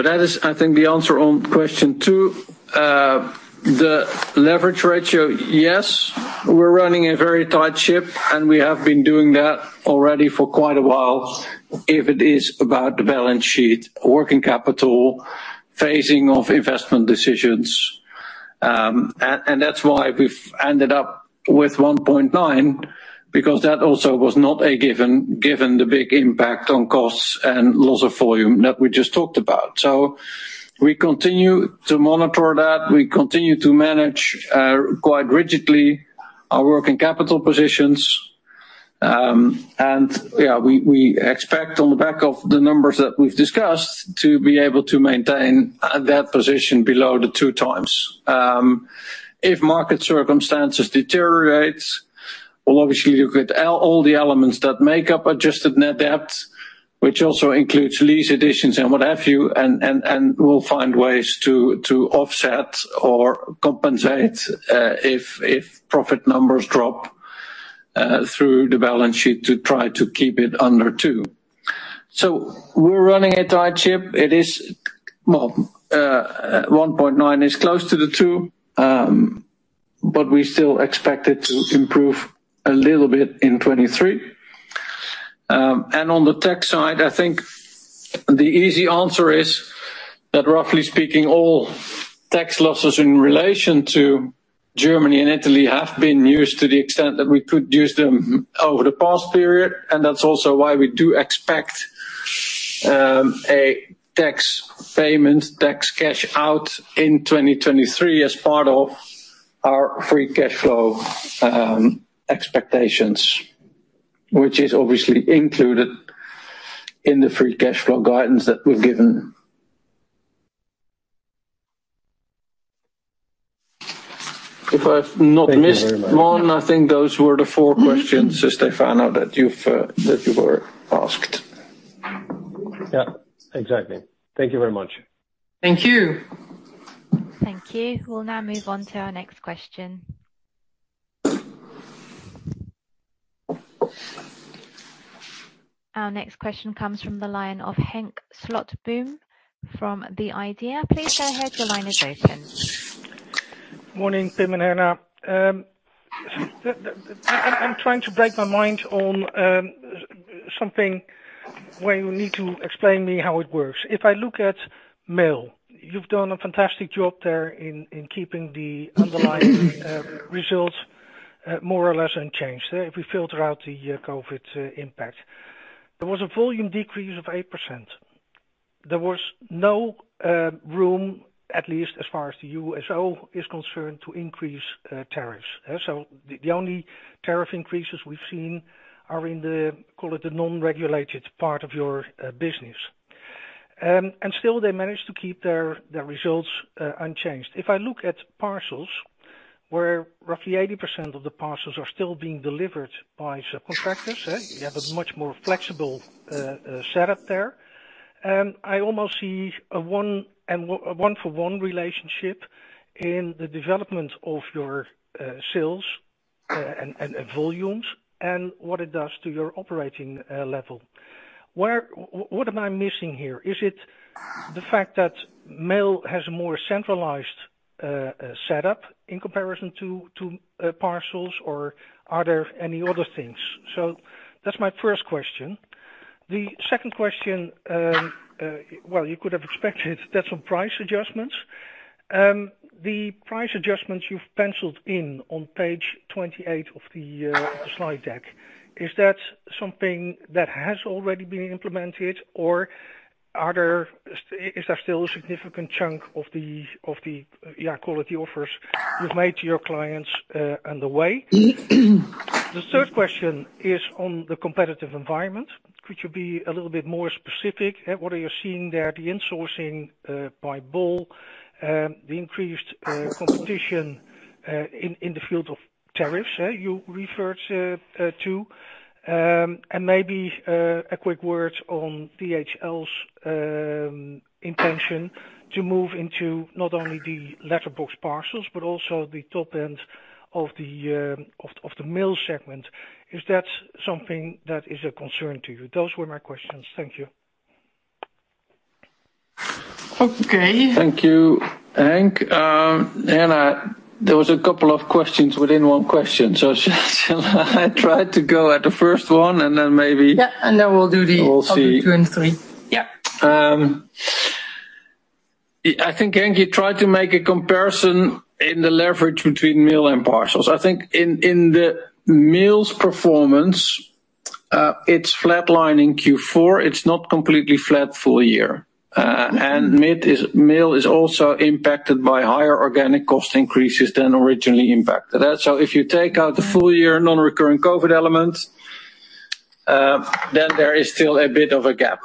That is, I think, the answer on question two. The leverage ratio, yes, we're running a very tight ship, and we have been doing that already for quite a while, if it is about the balance sheet, working capital, phasing of investment decisions. And that's why we've ended up with 1.9, because that also was not a given the big impact on costs and loss of volume that we just talked about. We continue to monitor that. We continue to manage quite rigidly our working capital positions. Yeah, we expect on the back of the numbers that we've discussed to be able to maintain that position below the two times. If market circumstances deteriorates, we'll obviously look at all the elements that make up adjusted net debt, which also includes lease additions and what have you, and we'll find ways to offset or compensate if profit numbers drop through the balance sheet to try to keep it under two. We're running a tight ship. It is, well, 1.9 is close to the 2, we still expect it to improve a little bit in 2023. On the tech side, I think the easy answer is that, roughly speaking, all tax losses in relation to Germany and Italy have been used to the extent that we could use them over the past period, and that's also why we do expect a tax payment, tax cash out in 2023 as part of our free cash flow expectations, which is obviously included in the free cash flow guidance that we've given. If I've not missed one- Thank you very much. I think those were the four questions, Stefano, that you've, that you were asked. Yeah. Exactly. Thank you very much. Thank you. Thank you. We'll now move on to our next question. Our next question comes from the line of Henk Slotboom from the IDEA!. Please go ahead, your line is open. Morning, Pim and Herna. I'm trying to break my mind on something where you need to explain me how it works. If I look at Mail, you've done a fantastic job there in keeping the underlying results more or less unchanged. If we filter out the COVID impact. There was a volume decrease of 8%. There was no room, at least as far as the USO is concerned, to increase tariffs. The only tariff increases we've seen are in the, call it, the non-regulated part of your business. Still they managed to keep their results unchanged. If I look at parcels, where roughly 80% of the parcels are still being delivered by subcontractors, you have a much more flexible setup there. I almost see a one-for-one relationship in the development of your sales and volumes and what it does to your operating level. What am I missing here? Is it the fact that mail has a more centralized setup in comparison to parcels, or are there any other things? That's my first question. The second question, well, you could have expected that's on price adjustments. The price adjustments you've penciled in on page 28 of the slide deck, is that something that has already been implemented or is there still a significant chunk of the, yeah, quality offers you've made to your clients on the way? The third question is on the competitive environment. Could you be a little bit more specific? What are you seeing there? The insourcing, by bol, the increased competition, in the field of tariffs, you referred to, and maybe, a quick word on DHL's intention to move into not only the letter box parcels but also the top end of the, of the, of the mail segment. Is that something that is a concern to you? Those were my questions. Thank you. Okay. Thank you, Henk. Herna, there was a couple of questions within one question, so shall I try to go at the first one and then. Yeah, then we'll do. We'll see. Other two and three. Yeah. I think, Henk, you tried to make a comparison in the leverage between mail and parcels. I think in the mail's performance, it's flatlining Q4. It's not completely flat full year. Mail is also impacted by higher organic cost increases than originally impacted. If you take out the full year non-recurring COVID element, then there is still a bit of a gap.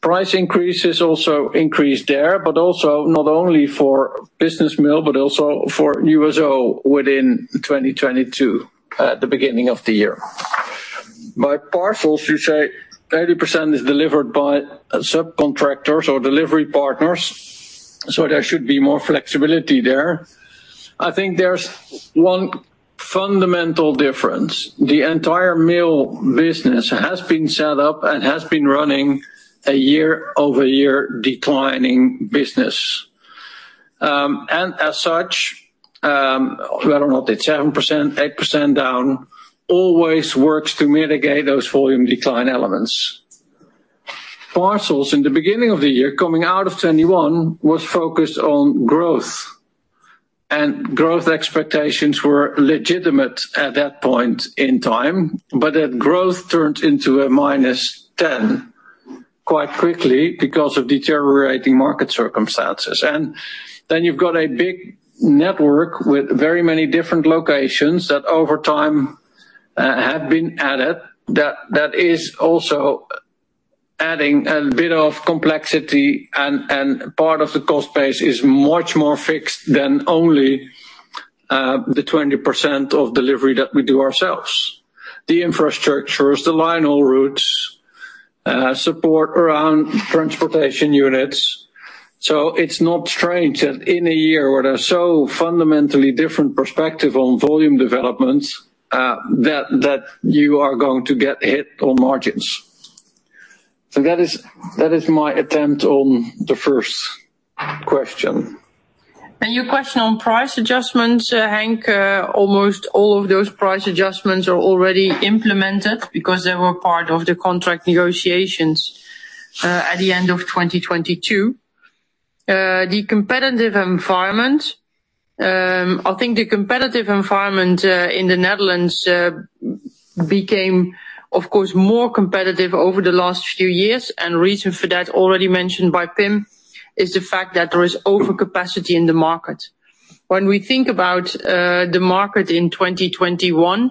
Price increases also increased there, also not only for business mail, but also for USO within 2022, at the beginning of the year. By parcels, you say 80% is delivered by subcontractors or delivery partners, there should be more flexibility there. I think there's one fundamental difference. The entire Mail business has been set up and has been running a year-over-year declining business. As such, I don't know if it's 7%, 8% down, always works to mitigate those volume decline elements. Parcels in the beginning of the year coming out of 2021 was focused on growth, and growth expectations were legitimate at that point in time. That growth turned into a -10% quite quickly because of deteriorating market circumstances. Then you've got a big network with very many different locations that over time, have been added that is also adding a bit of complexity and part of the cost base is much more fixed than only, the 20% of delivery that we do ourselves. The infrastructures, the line haul routes, support around transportation units. It's not strange that in a year where there's so fundamentally different perspective on volume developments, that you are going to get hit on margins. That is my attempt on the first question. Your question on price adjustments, Henk, almost all of those price adjustments are already implemented because they were part of the contract negotiations at the end of 2022. The competitive environment. I think the competitive environment in the Netherlands became, of course, more competitive over the last few years. Reason for that already mentioned by Pim is the fact that there is overcapacity in the market. When we think about the market in 2021,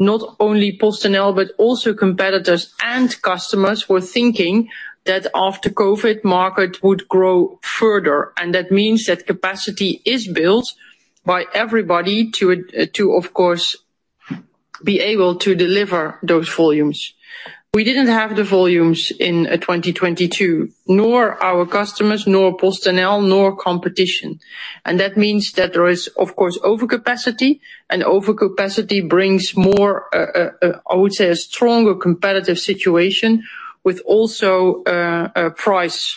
not only PostNL but also competitors and customers were thinking that after COVID, market would grow further. That means that capacity is built by everybody to of course, be able to deliver those volumes. We didn't have the volumes in 2022, nor our customers, nor PostNL, nor competition. That means that there is of course overcapacity, and overcapacity brings more, I would say a stronger competitive situation with also price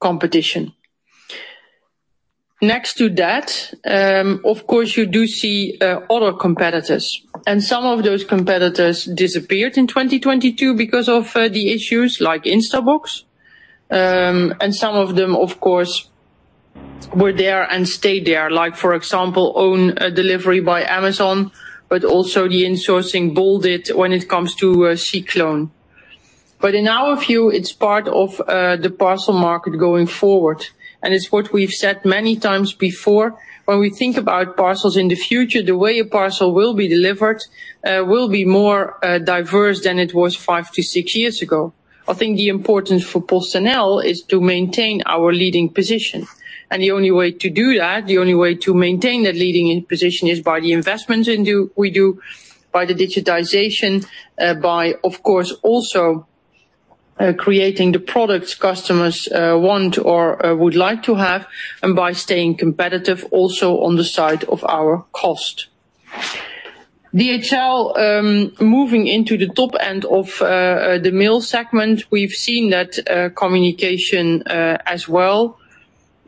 competition. Next to that, of course, you do see other competitors, and some of those competitors disappeared in 2022 because of the issues like Instabox. Some of them of course, were there and stayed there like for example, own delivery by Amazon but also the insourcing bol did when it comes to Cycloon. In our view, it's part of the parcel market going forward, and it's what we've said many times before. When we think about parcels in the future, the way a parcel will be delivered, will be more diverse than it was five to six years ago. I think the importance for PostNL is to maintain our leading position. The only way to do that, the only way to maintain that leading position is by the investments in we do by the digitization, by of course, also creating the products customers want or would like to have, and by staying competitive also on the side of our cost. DHL, moving into the top end of the mail segment, we've seen that communication as well.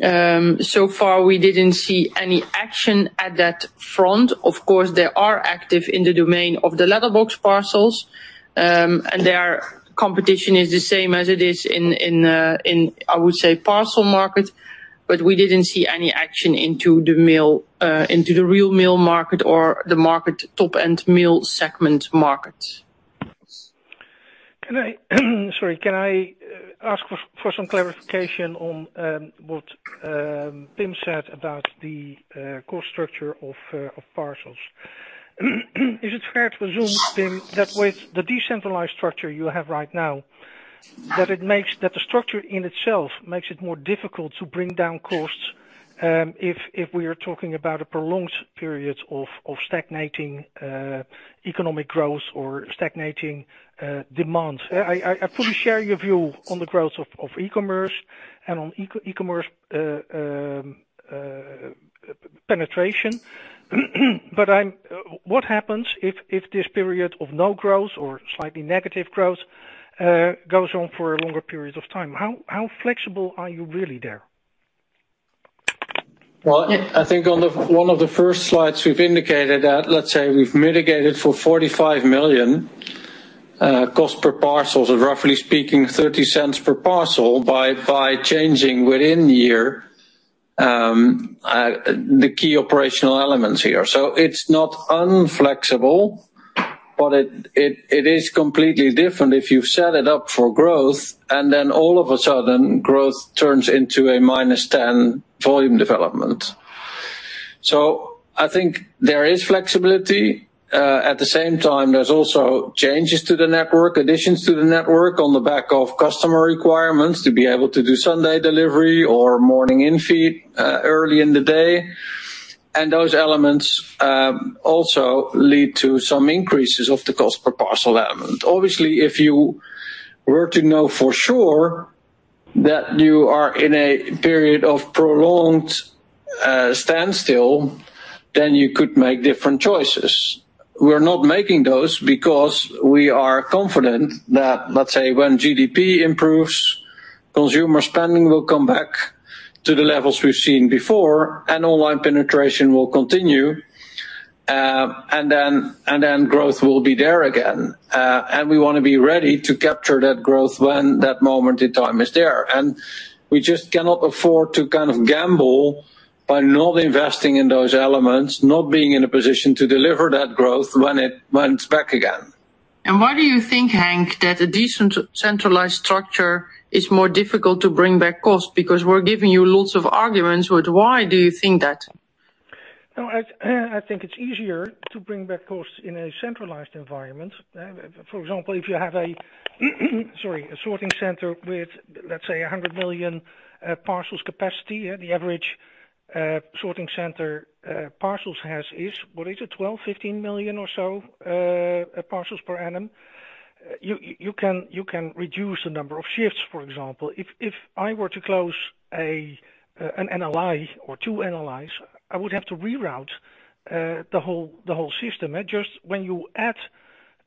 So far, we didn't see any action at that front. Of course, they are active in the domain of the letterbox parcels, and their competition is the same as it is in, in, I would say, parcel market, but we didn't see any action into the real mail market or the market top-end mail segment markets. Sorry. Can I ask for some clarification on what Pim said about the cost structure of parcels? Is it fair to assume, Pim, that with the decentralized structure you have right now, that the structure in itself makes it more difficult to bring down costs if we are talking about a prolonged period of stagnating economic growth or stagnating demands? I fully share your view on the growth of e-commerce and on e-commerce penetration. What happens if this period of no growth or slightly negative growth goes on for a longer period of time? How flexible are you really there? Well, I think one of the first slides we've indicated that, let's say, we've mitigated for 45 million cost per parcels, roughly speaking 0.30 per parcel by changing within the year the key operational elements here. It's not unflexible, but it is completely different if you set it up for growth and then all of a sudden growth turns into a -10% volume development. I think there is flexibility. At the same time, there's also changes to the network, additions to the network on the back of customer requirements to be able to do Sunday delivery or morning infeed early in the day. Those elements also lead to some increases of the cost per parcel element. Obviously, if you were to know for sure that you are in a period of prolonged standstill, then you could make different choices. We're not making those because we are confident that, let's say, when GDP improves, consumer spending will come back to the levels we've seen before, and online penetration will continue, and then growth will be there again. We want to be ready to capture that growth when that moment in time is there. We just cannot afford to kind of gamble by not investing in those elements, not being in a position to deliver that growth when it went back again. Why do you think, Henk, that a decent centralized structure is more difficult to bring back cost? We're giving you lots of arguments, but why do you think that? No, I think it's easier to bring back costs in a centralized environment. For example, if you have a sorting center with, let's say, 100 million parcels capacity, the average sorting center parcels has is, what is it? 12, 15 million or so parcels per annum. You can reduce the number of shifts, for example. If I were to close an NLI or two NLIs, I would have to reroute the whole system. Just when you add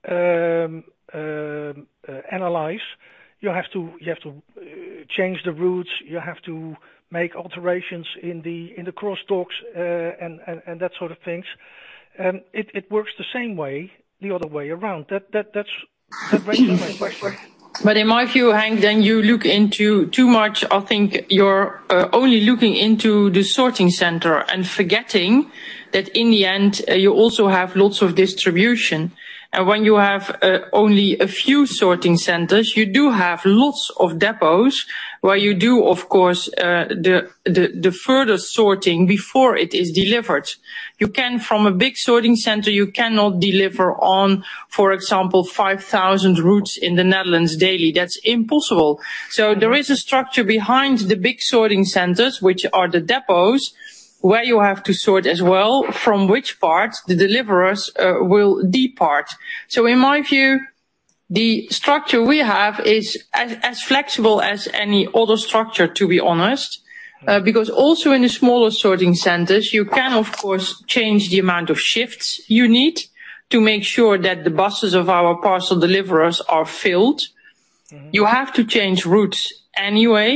NLIs, you have to change the routes, you have to make alterations in the cross docks, and that sort of things. It works the same way, the other way around. That's the way it works. In my view, Henk, then you look into too much. I think you're only looking into the sorting center and forgetting that in the end, you also have lots of distribution. When you have only a few sorting centers, you do have lots of depots, where you do, of course, the, the further sorting before it is delivered. From a big sorting center, you cannot deliver on, for example, 5,000 routes in the Netherlands daily. That's impossible. There is a structure behind the big sorting centers, which are the depots, where you have to sort as well, from which parts the deliverers will depart. In my view, the structure we have is as flexible as any other structure, to be honest. Because also in the smaller sorting centers, you can, of course, change the amount of shifts you need to make sure that the buses of our parcel deliverers are filled. Mm-hmm. You have to change routes anyway,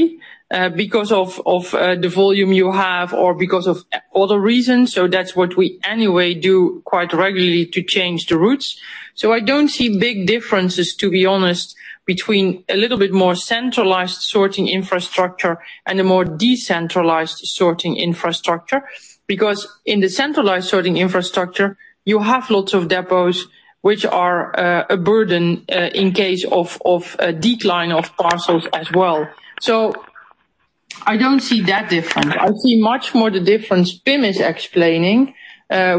because of the volume you have or because of other reasons. That's what we anyway do quite regularly to change the routes. I don't see big differences, to be honest, between a little bit more centralized sorting infrastructure and a more decentralized sorting infrastructure. Because in the centralized sorting infrastructure, you have lots of depots which are a burden in case of a decline of parcels as well. I don't see that difference. I see much more the difference Pim is explaining,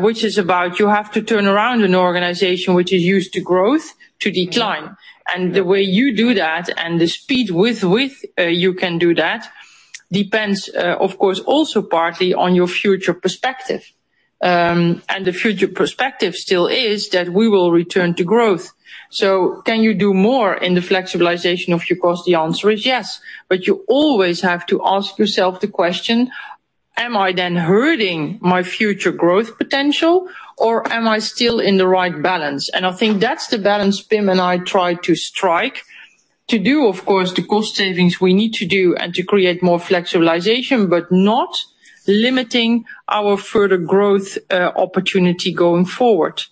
which is about you have to turn around an organization which is used to growth to decline. The way you do that and the speed with you can do that Depends, of course also partly on your future perspective. The future perspective still is that we will return to growth. Can you do more in the flexibilization of your cost? The answer is yes. You always have to ask yourself the question, am I then hurting my future growth potential, or am I still in the right balance? I think that's the balance Pim and I try to strike to do, of course, the cost savings we need to do and to create more flexibilization, but not limiting our further growth opportunity going forward.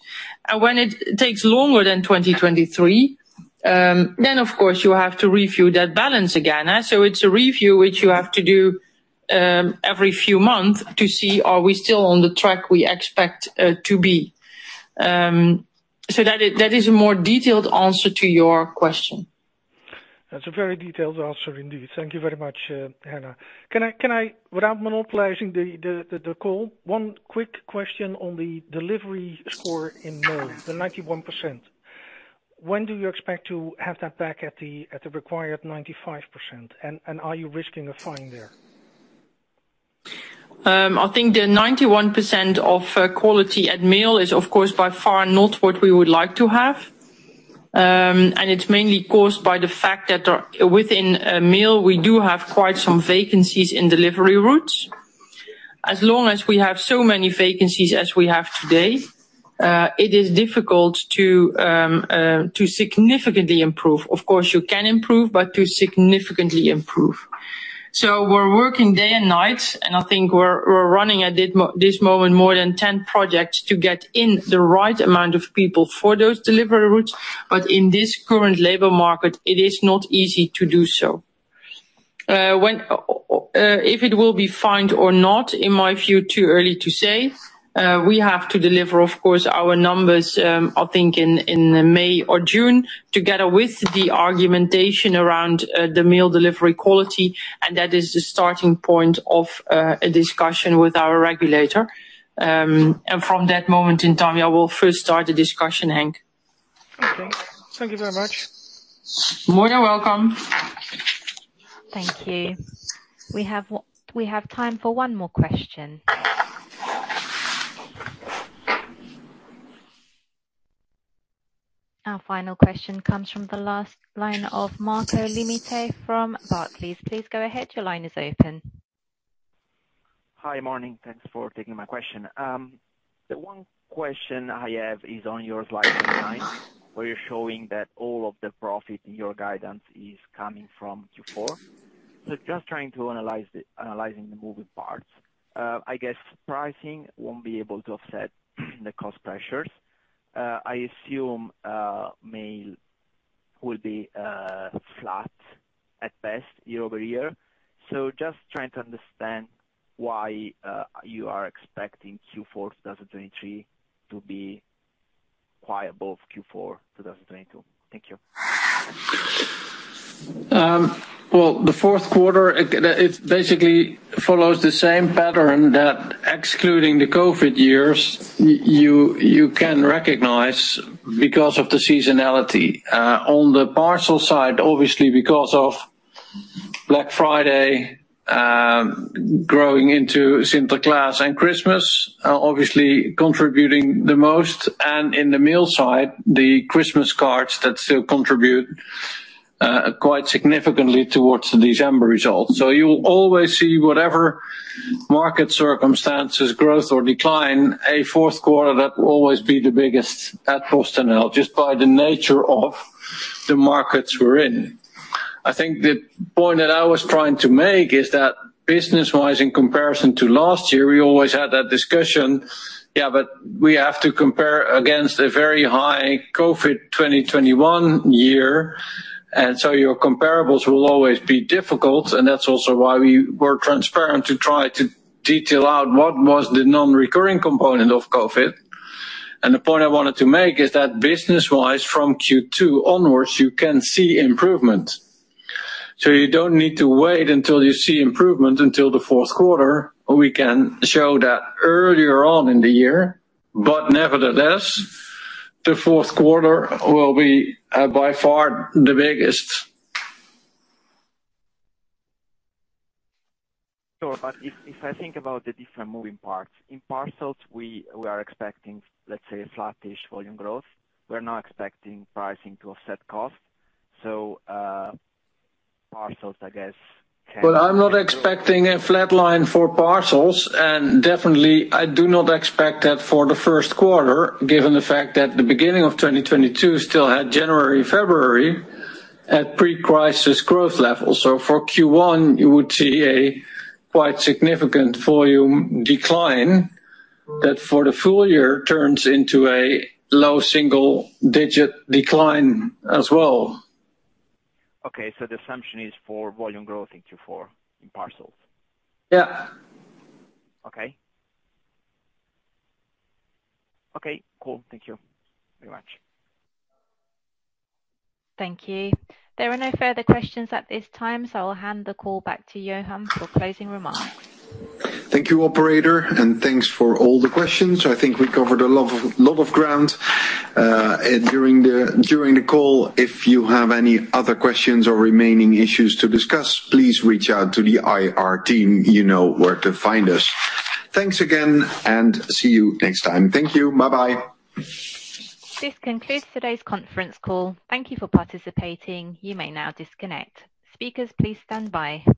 When it takes longer than 2023, of course you have to review that balance again. It's a review which you have to do every few months to see are we still on the track we expect to be. That is a more detailed answer to your question. That's a very detailed answer indeed. Thank you very much, Herna. Can I, without monopolizing the call, one quick question on the delivery score in Mail in the Netherlands, the 91%. When do you expect to have that back at the required 95%? Are you risking a fine there? I think the 91% of quality at Mail is of course by far not what we would like to have. It's mainly caused by the fact that within Mail we do have quite some vacancies in delivery routes. As long as we have so many vacancies as we have today, it is difficult to significantly improve. Of course, you can improve, but to significantly improve. We're working day and night, and I think we're running at this moment more than 10 projects to get in the right amount of people for those delivery routes. In this current labor market, it is not easy to do so. If it will be fined or not, in my view, too early to say. We have to deliver, of course, our numbers, I think in May or June, together with the argumentation around the mail delivery quality, and that is the starting point of a discussion with our regulator. From that moment in time, I will first start the discussion, Henk. Okay. Thank you very much. More than welcome. Thank you. We have time for one more question. Our final question comes from the last line of Marco Limite from Barclays. Please go ahead, your line is open. Hi. Morning. Thanks for taking my question. The one question I have is on your slide nine, where you're showing that all of the profit in your guidance is coming from Q4. Just analyzing the moving parts. I guess pricing won't be able to offset the cost pressures. I assume Mail will be flat at best year-over-year. Just trying to understand why you are expecting Q4 2023 to be quite above Q4 2022. Thank you. Well, the fourth quarter, it basically follows the same pattern that excluding the COVID years, you can recognize because of the seasonality. On the parcel side, obviously because of Black Friday, growing into Sinterklaas and Christmas, obviously contributing the most, and in the mail side, the Christmas cards that still contribute quite significantly towards the December results. You'll always see whatever market circumstances, growth or decline, a fourth quarter that will always be the biggest at PostNL, just by the nature of the markets we're in. I think the point that I was trying to make is that business-wise, in comparison to last year, we always had that discussion. Yeah, we have to compare against a very high COVID 2021 year. Your comparables will always be difficult, and that's also why we were transparent to try to detail out what was the non-recurring component of COVID. The point I wanted to make is that business-wise from Q2 onwards, you can see improvement. You don't need to wait until you see improvement until the fourth quarter. We can show that earlier on in the year. Nevertheless, the fourth quarter will be by far the biggest. Sure. If I think about the different moving parts, in parcels we are expecting, let's say, a flattish volume growth. We're not expecting pricing to offset cost. Parcels, I guess. Well, I'm not expecting a flat line for parcels. Definitely I do not expect that for the first quarter, given the fact that the beginning of 2022 still had January, February at pre-crisis growth levels. For Q1, you would see a quite significant volume decline that for the full year turns into a low single-digit decline as well. Okay. The assumption is for volume growth in Q4 in parcels? Yeah. Okay. Okay, cool. Thank you very much. Thank you. There are no further questions at this time. I'll hand the call back to Johan for closing remarks. Thank you, operator, and thanks for all the questions. I think we covered a lot of ground during the call. If you have any other questions or remaining issues to discuss, please reach out to the IR team. You know where to find us. Thanks again and see you next time. Thank you. Bye bye. This concludes today's conference call. Thank you for participating. You may now disconnect. Speakers, please stand by.